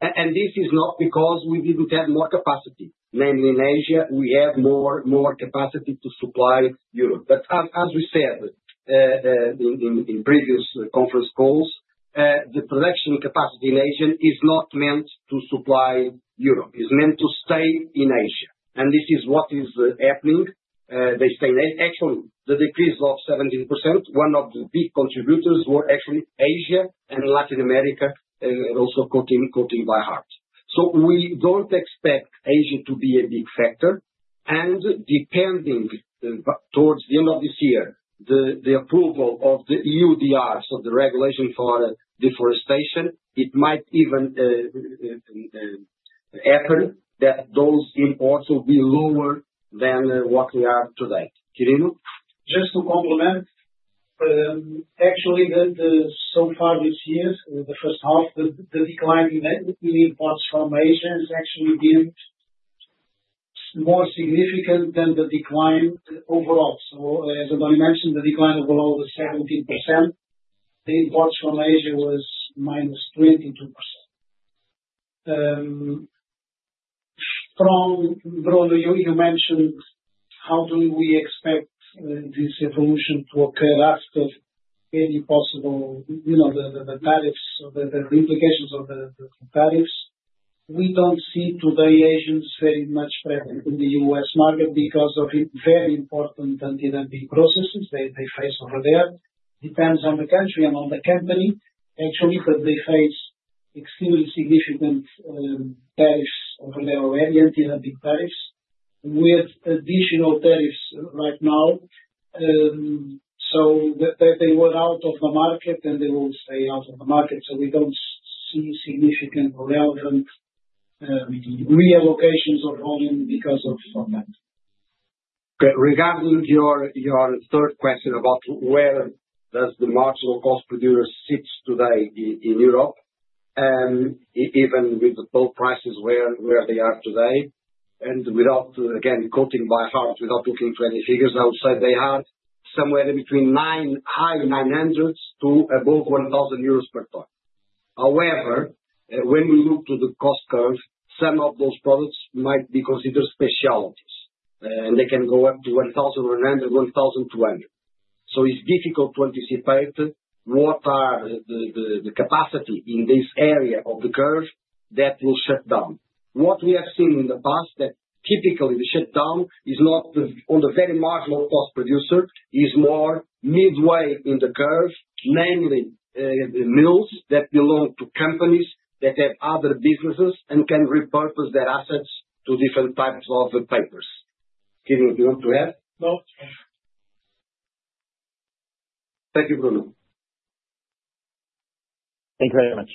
and this is not because we didn't have more capacity, namely in Asia we have more capacity to supply, but as we said in previous conference calls, the production capacity in Asia is not meant to supply Europe, it's meant to stay in Asia and this is what is happening, they stay in Asia. Actually, the decrease of 17%, one of the big contributors were actually Asia and Latin America, also quoting by heart. We don't expect Asia to be a big factor, and depending towards the end of this year, the approval of the EUDR, so the regulation for deforestation, it might even happen that those imports will be lower than what we are today. Quirino, just to complement, actually so far this year, the first half, the decline in imports from Asia has actually been more significant than the decline overall. As António mentioned, the decline overall was 17%. The imports from Asia was minus 22%. Bruno, you mentioned how do we expect this evolution to occur after any possible, you know, the tariffs, the implications of the tariffs. We don't see today Asians very much present in the U.S. market because of very important anti-dumping processes that they face over there. It depends on the country and on the company, actually, but they face extremely significant tariffs over the ordinary tariffs with additional tariffs right now. They were out of the market and they will stay out of the market. We don't see significant relevant reallocations of volume because of that. Regarding your third question about where does the marginal cost producer sit today in Europe, even with the Pulp prices where they are today? Without, again, quoting by heart, without looking to any figures outside, they head somewhere between the high 900 to above 1,000 euros per ton. However, when we look to the cost curve, some of those products might be considered specialties and they can go up to 1,100-1,200. It's difficult to anticipate what are the capacities in this area of the curve that will shut down. What we have seen in the past is that typically the shutdown is not on the very marginal cost producer, it's more midway in the curve, namely mills that belong to companies that have other businesses and can repurpose their assets to different types of papers. Do you want to add. No. Thank you, Bruno. Thank you very much.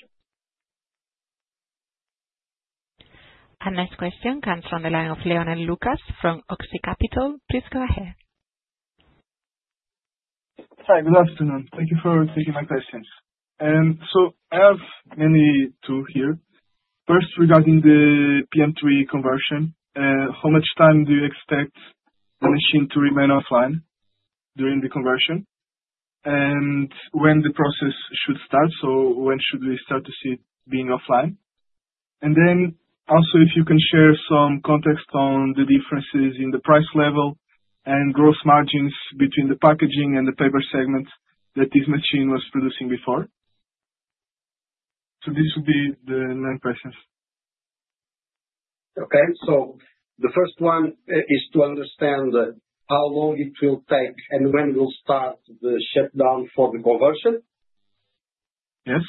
Our next question comes from the line of Leonel Lucas from Oxy Capital. Please go ahead. Hi, good afternoon. Thank you for taking my questions. I have many two here. First, regarding the PM3 machine conversion, how much time do you expect the machine to remain offline during the conversion and when the process should start? When should we start to see it being offline? If you can share some context on the differences in the price level and gross margins between the packaging and the paper segments that this machine was producing before. This would be the nine questions. Okay, so the first one is to understand how long it will take and when will start the shutdown for the conversion. Yes.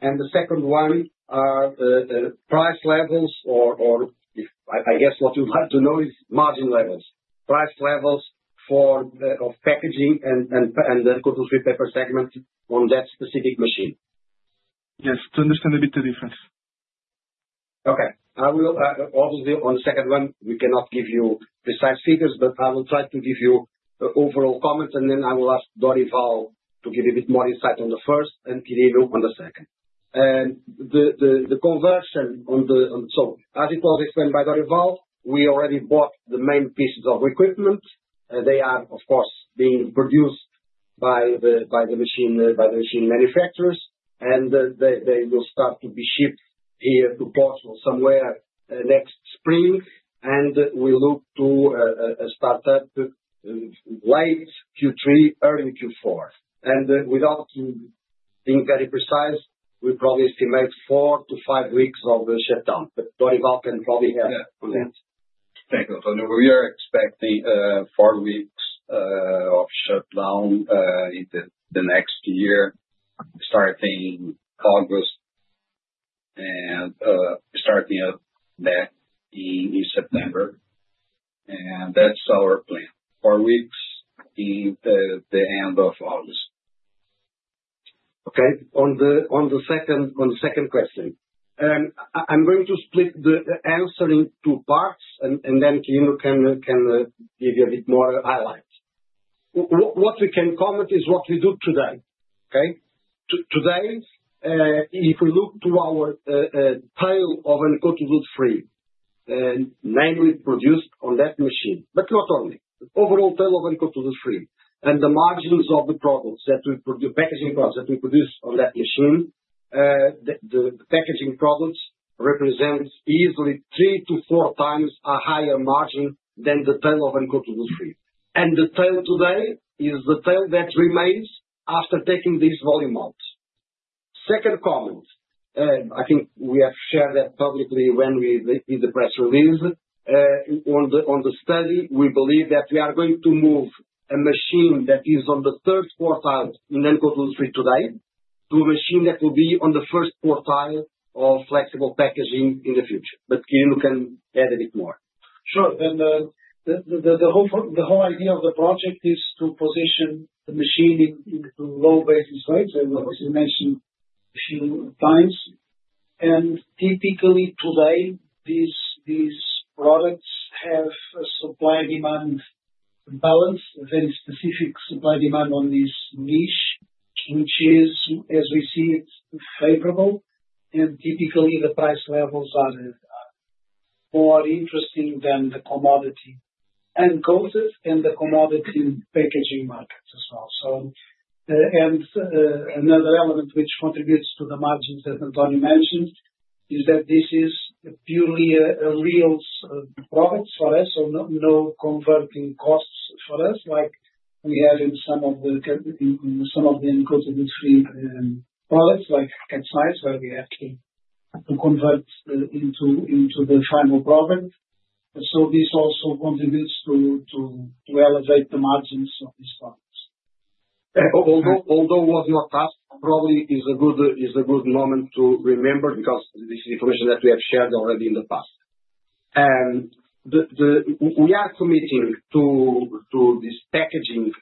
The second one are price levels, or I guess what you'd like to know is margin levels, price levels for packaging and the cotton sweet paper segment on that specific machine. Yes, to understand a bit the difference. Okay, I will obviously on second one we cannot give you precise figures, but I will try to give you overall comments and then I will ask Dorival de Almeida to give a bit more insight on the first and Quirino on the second, the conversion. As it was explained by Dorival de Almeida, we already bought the main pieces of equipment. They are of course being produced by the machine manufacturers, and they will start to be shipped here to Portugal somewhere next spring. We look to start up late Q3, early Q4, and without being very precise, we probably estimate four to five weeks of shutdown. Dorival de Almeida can probably help on that. Thank you, António. We are expecting four weeks of shutdown in the next year, starting Congress and. Starting back in September. That's our plan: four weeks in the end of August. Okay, on the second question, I'm going to split the answer in two parts and then Kino can give you a bit more highlight. What we can comment is what we do today. Okay, today if we look to our tail of Encotitude 3, namely produced on that machine, but not only overall tail of uncontrollute free and the margins of the products that we produce, packaging products that we produce on that machine, the packaging products represent easily three to four times a higher margin than the tail of uncoutable three. The tail today is the tail that remains after taking this volume out. Second comment. I think we have shared that publicly when we in the press release on the study. We believe that we are going to move a machine that is on the third quartile in encodulatory today to a machine that will be on the first quartile of flexible packaging in the future. Quirino can add a bit more. Sure. The whole idea of the project is to position the machine into low basis weights, as you mentioned a few times. Typically, today these products have a supply-demand balance, very specific supply-demand on this niche in tissue, as we see it, favorable. Typically, the price levels are more interesting than the commodity and the commodity packaging markets as well. Another element which contributes to the margins that António mentioned is that this is purely a reel product for us, so no converting costs for us like we have in some of the inclusive products like Catsnice, where we have to convert into the final product. This also contributes to elevate the margins of these products. Although what your task probably is. Good moment to remember, because this is. Information that we have shared already in the past. We are committing to this packaging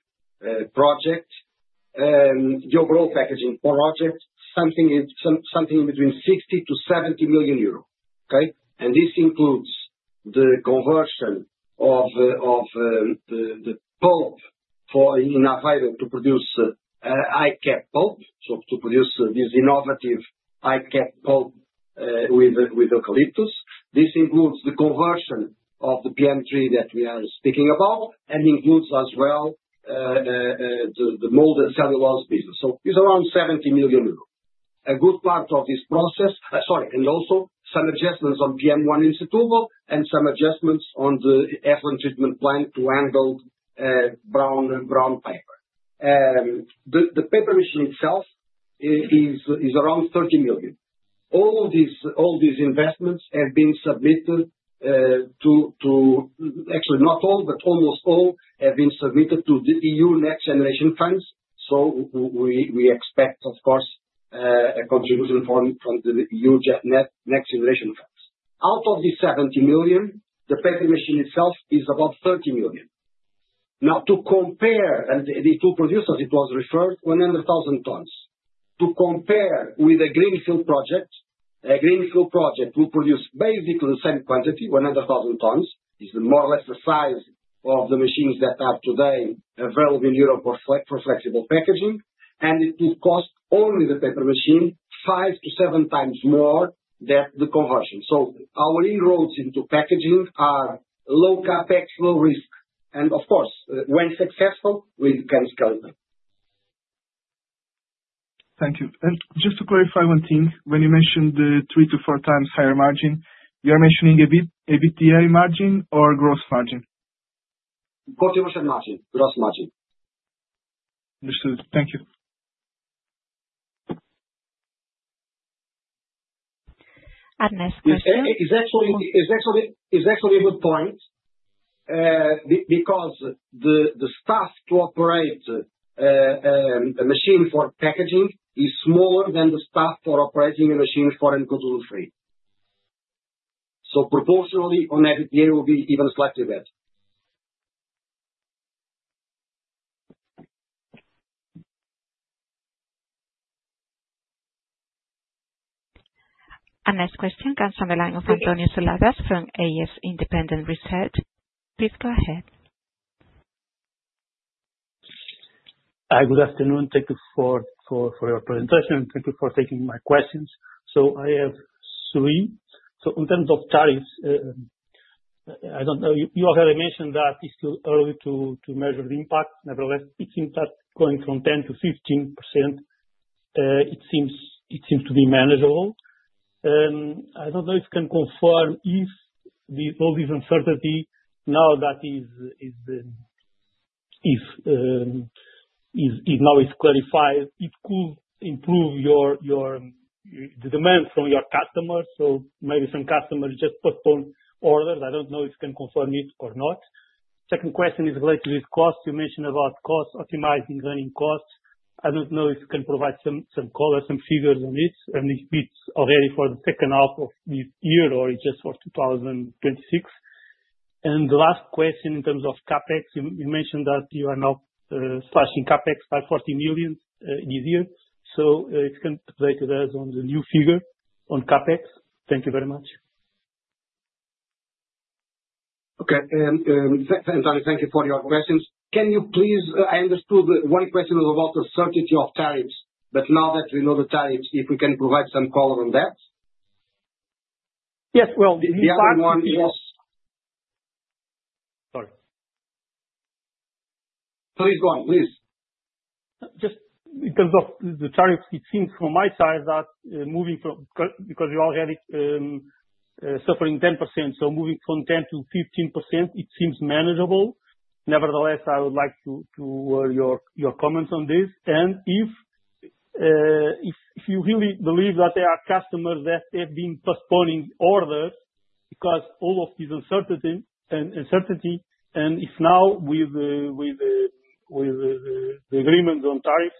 project, the overall packaging project, something between 60 million-70 million euros. Okay. This includes the conversion of the Pulp for in avenue to produce ICAP Pulp. To produce this innovatve ICAP Pulp with eucalyptus, this includes the conversion of the PM3 machine that we are speaking about and includes as well the molded fiber packaging business. It's around 70 million euros, a good part of this process. Sorry. were also some adjustments on PM1 in Setúbal and some adjustments on the effluent treatment plant to handle brown paper. The paper machine itself is around 30 million. All these investments have been submitted to, actually not all, but almost all have been submitted to the EU NextGenerationEU funds. We expect, of course, a contribution from the EU NextGenerationEU funds out of the 70 million. The PM3 machine itself is about 30 million. Now, to compare the two producers, it was referred 100,000 tons to compare with a greenfield project. A greenfield project will produce basically the same quantity. 100,000 tons is more or less the size of the machines that are today available in Europe for flexible packaging, and it will cost only the paper machine five to seven times more than the conversion. Our inroads into packaging are low CapEx, low risk, and of course, when successful, with chemistry. Thank you. Just to clarify one thing, when you mentioned the three to four times higher margin, you're mentioning EBITDA margin or gross margin? Margin. Gross margin. Understood. Thank you. Is actually a good point. Because the. Staff to operate a machine for packaging is smaller than the staff for operating a machine for Encodulant free. Proportionally, on every PA, it will be even slightly better. Our next question comes from the line of António Seladas from AS Independent Research. Please go ahead. Hi, good afternoon. Thank you for your presentation. Thank you for taking my questions. I have three. In terms of tariffs, you already mentioned that it's too early to measure the impact. Nevertheless, its impact going from 10% to 15% seems to be manageable. I don't know if you can confirm if all this uncertainty that is now clarified could improve the demand from your customers. Maybe some customers just postponed orders. I don't know if you can confirm it or not. Second question is related with cost. You mentioned about cost of optimizing running costs. I don't know if you can provide some color, some figures on this, and if it's already for the second half of this year or just for 2026. The last question, in terms of CapEx, you mentioned that you are now slashing CapEx by 40 million this year. It's contemplated as on the new figure on CapEx. Thank you very much. Okay, António, thank you for your questions. I understood one question is about the certainty of tariffs. Now that we know the tariffs, if we can provide some color on that. Yes, well. Sorry, please go on. Just because of the tariffs, it seems from my side that moving from, because we all have it suffering 10%, so moving from 10%-15%, it seems manageable. Nevertheless, I would like to hear your comments on this. If you really believe that there are customers that have been postponing orders because all of this uncertainty and if now with the agreement on tariffs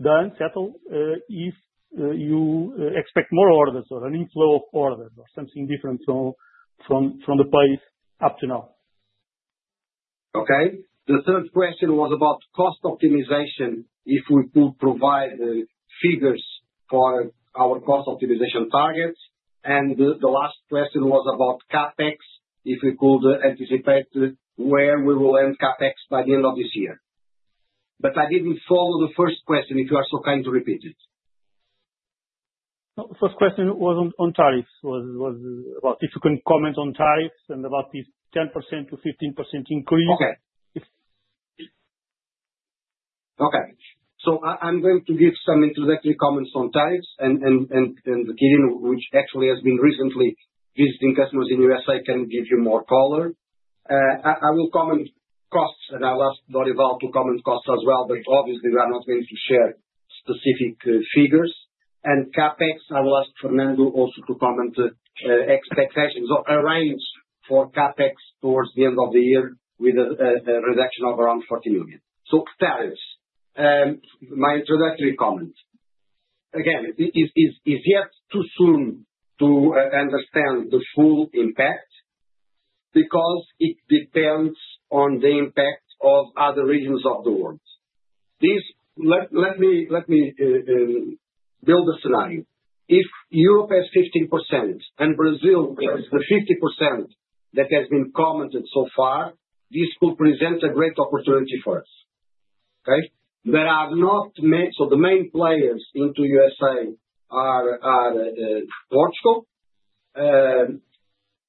then settle, if you expect more orders or an inflow of orders or something different from the pace up to now. Okay, the third question was about cost optimization, if we could provide figures for our cost optimization targets. The last question was about CapEx, if we could anticipate where we will end CapEx by the end of this year. I didn't follow the first question if you are so kind to repeat it. First question was on tariffs, if you can comment on tariffs and about this 10% to 15% increase. Okay, so I'm going to give some introductory comments on tariffs and Quirino, which actually has been recently visiting customers in the U.S., can give you more color. I will comment costs and I'll ask Dorival to comment costs as well, but obviously we are not going to share specific figures and CapEx. I will ask Fernando also to comment expectations or arrange for CapEx towards the end of the year with a reduction of around 40 million. Tharios, my introductory comment again is it's yet too soon to understand the full impact because it depends on the impact of other regions of the world. Let me build a scenario. If Europe has 15% and Brazil is the 50% that has been commented so far, this could present a great opportunity for us. There are not. The main players into the U.S. are Portugal,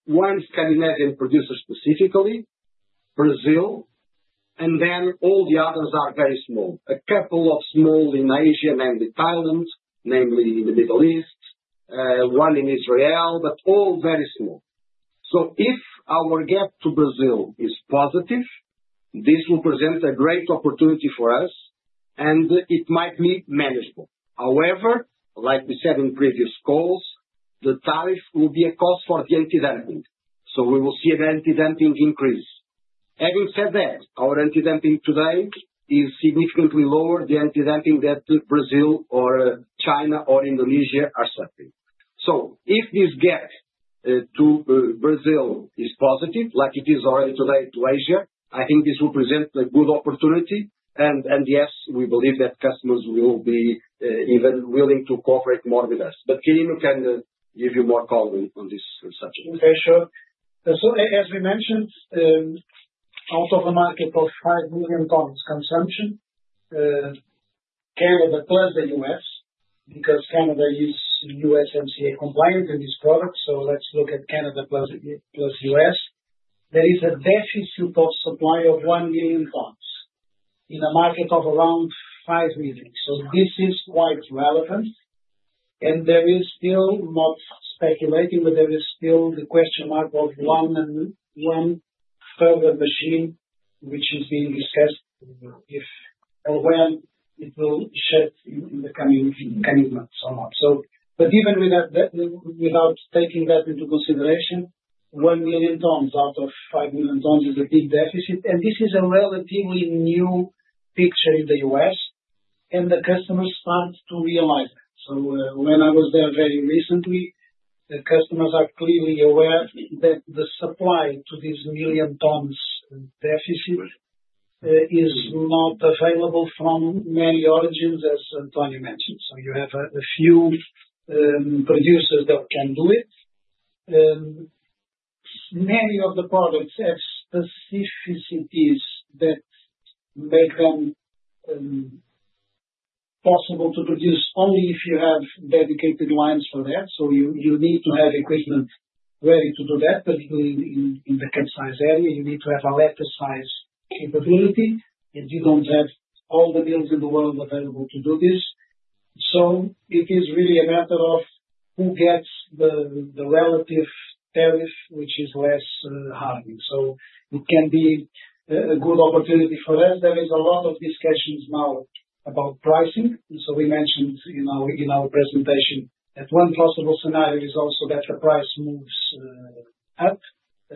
one Scandinavian producer, specifically Brazil, and then all the others are very small. A couple of small in Asia, namely Thailand, namely in the Middle East, one in Israel, but all very small. If our gap to Brazil is positive, this will present a great opportunity for us and it might be manageable. However, like we said in previous calls, the tariff will be a cost for the antidumping, so we will see an antidumping increase. Having said that, our antidumping today is significantly lower than the antidumping that Brazil or China or Indonesia are suffering. If this gap to Brazil is positive, like it is already today to Asia, I think this will present a good opportunity and yes, we believe that customers will be even willing to cooperate more with us. Quirino can give you more color on this subject. Okay, sure. As we mentioned, out of the market of 5 million tonnes consumption, Canada plus the U.S. because Canada is USMCA compliant in these products. Let's look at Canada plus. There. is a deficit of supply of 1 million tons in a market of around 5 million. This is quite relevant, and there is still not speculating, but there is still the question mark of one and one further machine which is being discussed if and when it will shift in. The coming months or not. Even without taking that into consideration, 1 million tonnes out of 5. Million tonnes is a big deficit. This is a relatively new picture in the U.S. and the customers start to realize that. When I was there very recently, customers are clearly aware that the supply to this million tons deficit is not available from many origins, as António mentioned. You have a few producers that can do it. Many of the products have specificities that make them possible to produce only if you have dedicated lines for that. You need to have equipment ready to do that, particularly in the capsize area. You need to have a letter size capability and you don't have all the mills in the world available to do this. It is really a matter of who gets the relative tariff which is less harming. It can be a good opportunity for us. There is a lot of discussion now about pricing. We mentioned in our presentation that one possible scenario is also that the price moves up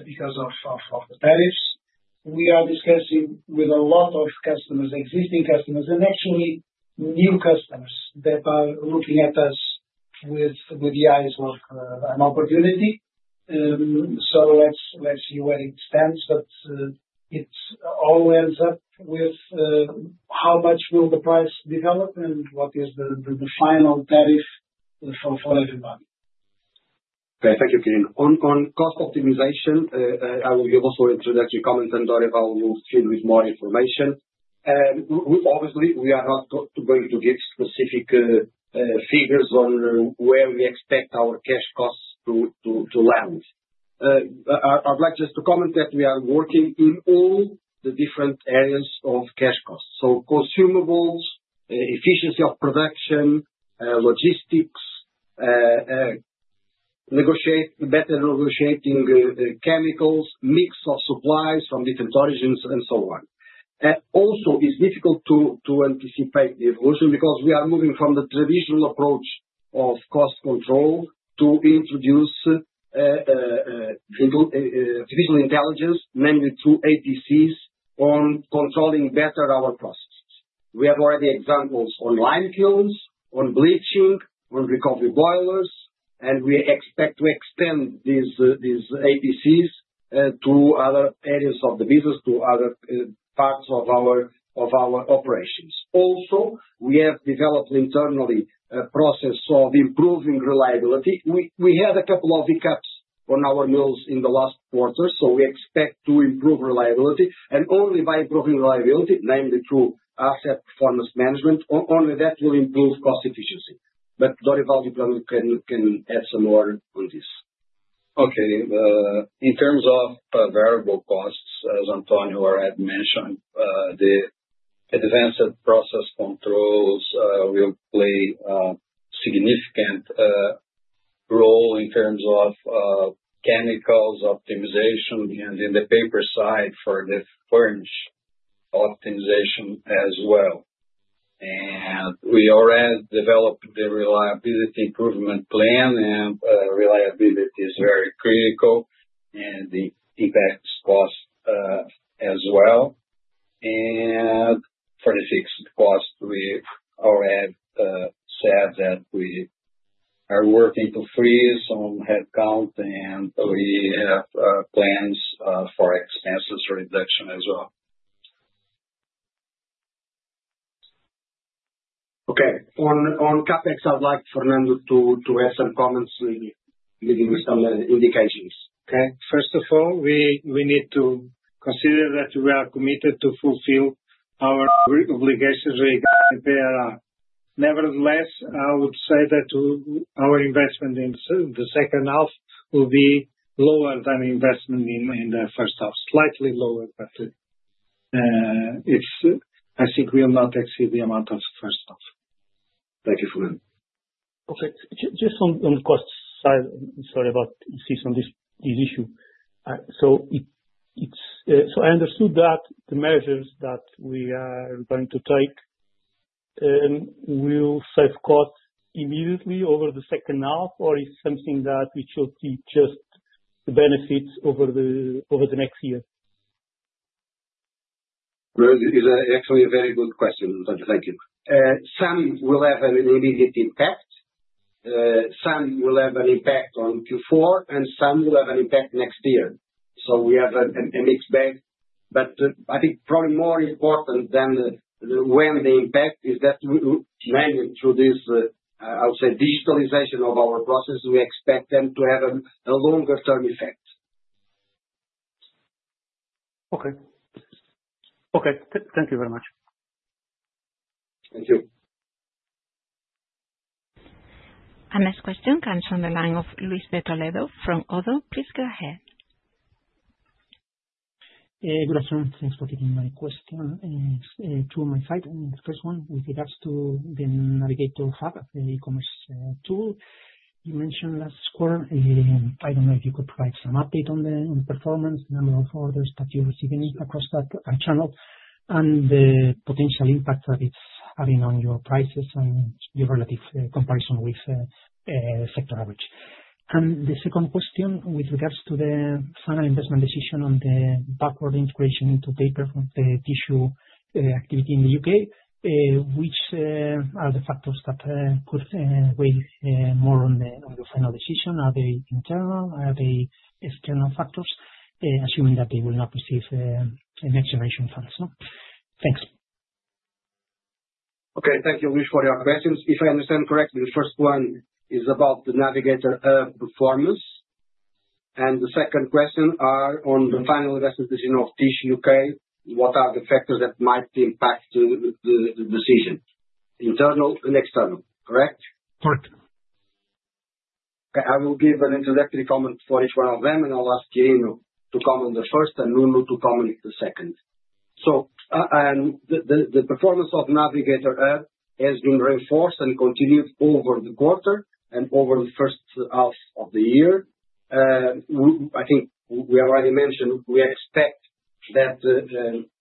because of the tariffs. We are discussing with a lot of customers, existing customers and actually new customers that are looking at us with the eyes of an opportunity. Let's see where it stands. It all ends up with how much will the price develop and what is the final. That is for everybody. Okay, thank you, Quirino. On cost optimization, I will give also introductory comments and Dorival de Almeida will fill with more information. Obviously we are not going to give specific figures on where we expect our cash costs to land. I'd like just to comment that we are working in all the different areas of cash costs. So consumables, efficiency of production, logistics, better negotiating chemicals, mix of supplies from different origins and so on. Also, it's difficult to anticipate the evolution because we are moving from the traditional approach of cost control to introduce. Artificial. Intelligence, mainly through APCs on controlling better our processes, we have already examples on lime kilns, on bleaching, on recovery boilers, and we expect to extend these APCs to other areas of the business, to other parts of our operations. Also, we have developed internally a process of improving reliability. We had a couple of hiccups on our mills in the last quarter. We expect to improve reliability and only by improving reliability, namely through asset performance management. Only that will improve cost efficiency. Dorival de Almeida probably can add some more on this. Okay. In terms of variable costs, as António Redondo had mentioned, the advanced process controls will play a significant role in terms of chemicals optimization and in the paper side for the furnish optimization as well. We already developed the reliability improvement plan, and reliability is very critical and the impact cost as well. For the fixed cost, we already said that we are working to freeze on headcount, and we have plans for expenses reduction as well. Okay. On CapEx, I'd like Fernando to add some comments, indications. Okay. First of all, we need to consider that we are committed to fulfilling our obligations with the PRR. Nevertheless, I would say that our investment. In the second half will be lower. Than investment in the first half, slightly. Lower, but. I think we will not. Exceed the amount of first half. Thank you. Okay, just on the cost side, sorry. About cease on this issue. I understood that the measures that we are going to take will save costs immediately over the second half, or is that something that we should see just the benefits over the next year? Actually a very good question, thank you. Some will have an immediate impact, some will have an impact on Q4, and some will have an impact next year. We have a mixed bag, but I think probably more important than when the impact is that through this, I would say, digitalization of our processes, we expect them to have a longer term effect. Okay. Thank you very much. Thank you. Our next question comes from the line of Luis De Toledo from ODDO. Please go ahead. Good afternoon. Thanks for taking my question. The first one, with regards to the Navigator Hub E-commerce tool you mentioned last quarter, I don't know if you could provide some update on the performance. Number of orders that you're receiving across. That channel and the potential impact. It's having on your prices and your relative comparison with. The second question, with regards to the final investment decision on the backward integration into paper tissue activity in the UK, which are the factors that could. Weigh more on the final decision? Are they internal, are they external factors? Assuming that they will not receive next generation funds next. Okay, thank you, Luis, for your questions. If I understand correctly, the first one is about The Navigator performance, and the second question is on the final investment decision of Navigator Tissue UK, what are the factors that might impact the decision, internal and external. Correct? Correct. Okay, I will give an introductory comment for each one of them and I'll ask Quirino to comment the first and Nuno to the second. The performance of Navigator Hub has been reinforced and continued over the quarter and over the first half of the year. I think we already mentioned we expect that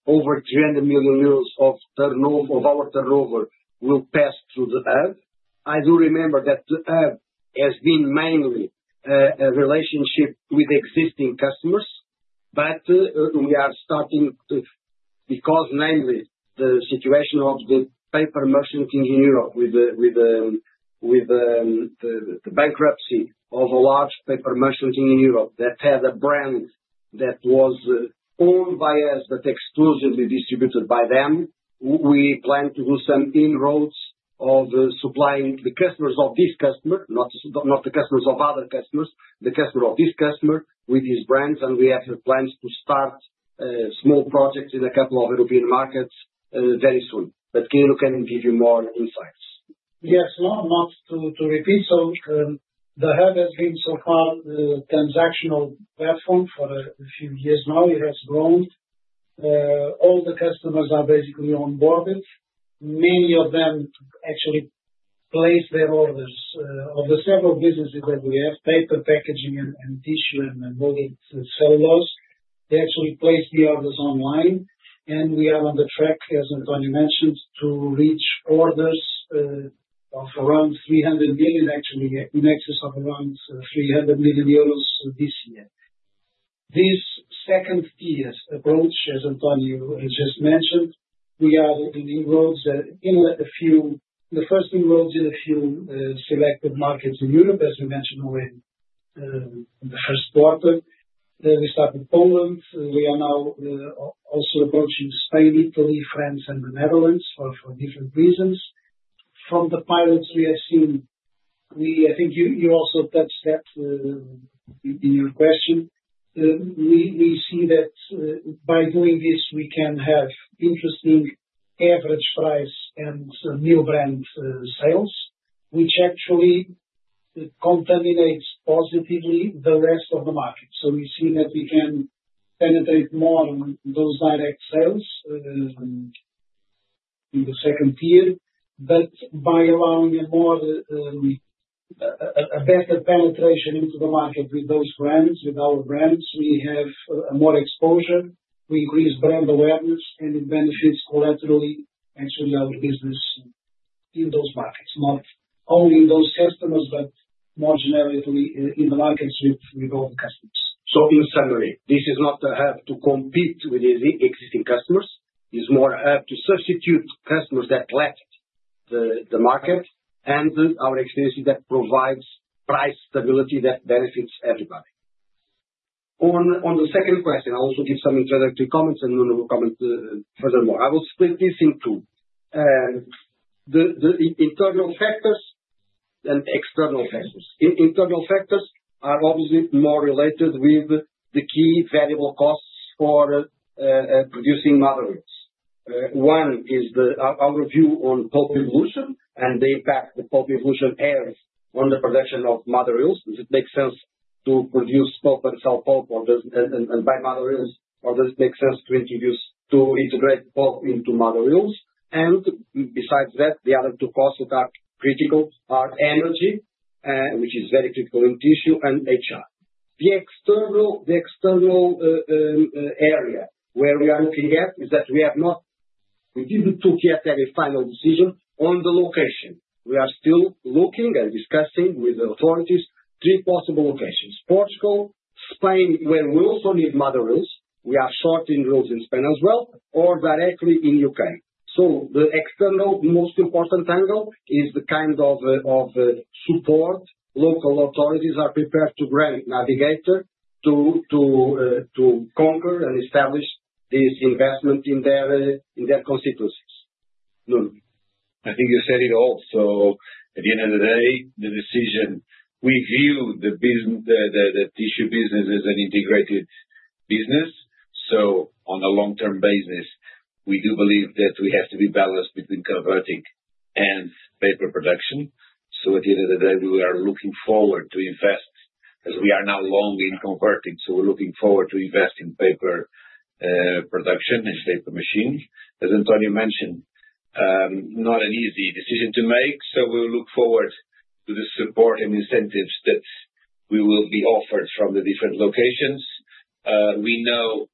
over 300 million euros of our turnover will pass through the Hub. I do remember that the Hub has been mainly a relationship with existing customers. We are starting because namely the situation of the paper merchanting in Europe with the bankruptcy of a large paper merchanting company in Europe that had a brand that was owned by us but exclusively distributed by them. We plan to do some inroads of supplying the customers of this customer, not the customers of other customers, the customer of this customer with these brands. We have plans to start small projects in a couple of European markets very soon but Quirino can give you more insights. Yes, not to repeat. The hub has been so far the transactional platform for a few years now. It has grown. All the customers are basically onboarded. Many of them actually place their orders. Of the several businesses that we have, paper packaging and tissue and cell loss, they actually place the orders online. We are on the track, as António Redondo mentioned, to reach orders of around 300 million, actually in excess of around 300 million euros this year. This second tier approach, as António just mentioned, we are inroads in a few, the first inroads in a few selected markets in Europe. As we mentioned already in the first quarter, we started Poland. We are now also approaching Spain, Italy, France, and the Netherlands for different reasons from the pilots we have seen. I think you also touched that in your question. We see that by doing this we can have interesting average price and new brand sales which actually contaminates positively the rest of the market. We see that we can penetrate more on those direct sales. In the second tier. By allowing more, a better penetration into the market with those brands, with our brands we have more exposure, we increase brand awareness, and it benefits collaterally. Actually, our business in those markets, not only in those customers, but more generally in the markets with all the customers. In summary, this is not to have to compete with existing customers. It's more to substitute customers that left the market and our experience is that it provides price stability that benefits everybody. On the second question, I'll also give some introductory comments. Furthermore, I will split this in two: the internal factors and external factors. Internal factors are obviously more related with the key variable costs for producing Mother Earth. One is our view on Pulp evolution and the impact of Pulp evolution pairs on the production of materials. Does it make sense to produce Pulp and sell Pulp and buy materials? Or does it make sense to integrate Pulp into materials? Besides that, the other two costs that are critical are energy, which is very critical in tissue, and HR. The external area where we are looking is that we didn't have a final decision on the location. We are still looking and discussing with the authorities three possible locations: Portugal, Spain, when we also need mother reels. We are short in reels in Spain as well, or directly in Ukraine. The external most important angle is the kind of support local authorities are prepared to grant Navigator to conquer and establish this investment in their consequences. I think you said it all. At the end of the day. The decision, we view the business. Tissue business as an integrated business. On a long term basis we. Do believe that we have to be. Balanced between converting and paper production. At the end of the day we are looking forward to invest as. We are now long in converting. We're looking forward to invest in. Paper production and shaping machines. As António Redondo mentioned, not an easy decision to make. We will look forward to the. Support and incentives that we will be offered from the different locations. We know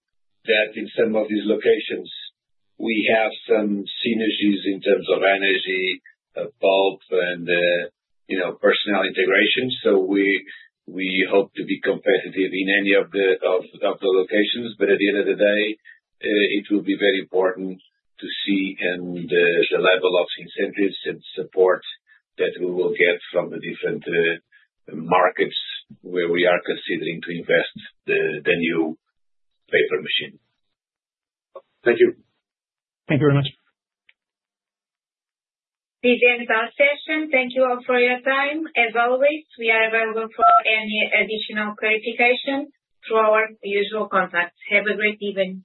that in some of these locations we have some synergies in terms of energy, Pulp, and personnel integration. We hope to be competitive in any of the locations. At the end of the day. It will be very important to see the level of incentives and support that we will get from the different markets where we are considering to invest the new paper machine. Thank you. Thank you very much. This ends our session. Thank you all for your time. As always, we are available for any additional clarification through our usual contacts. Have a great evening.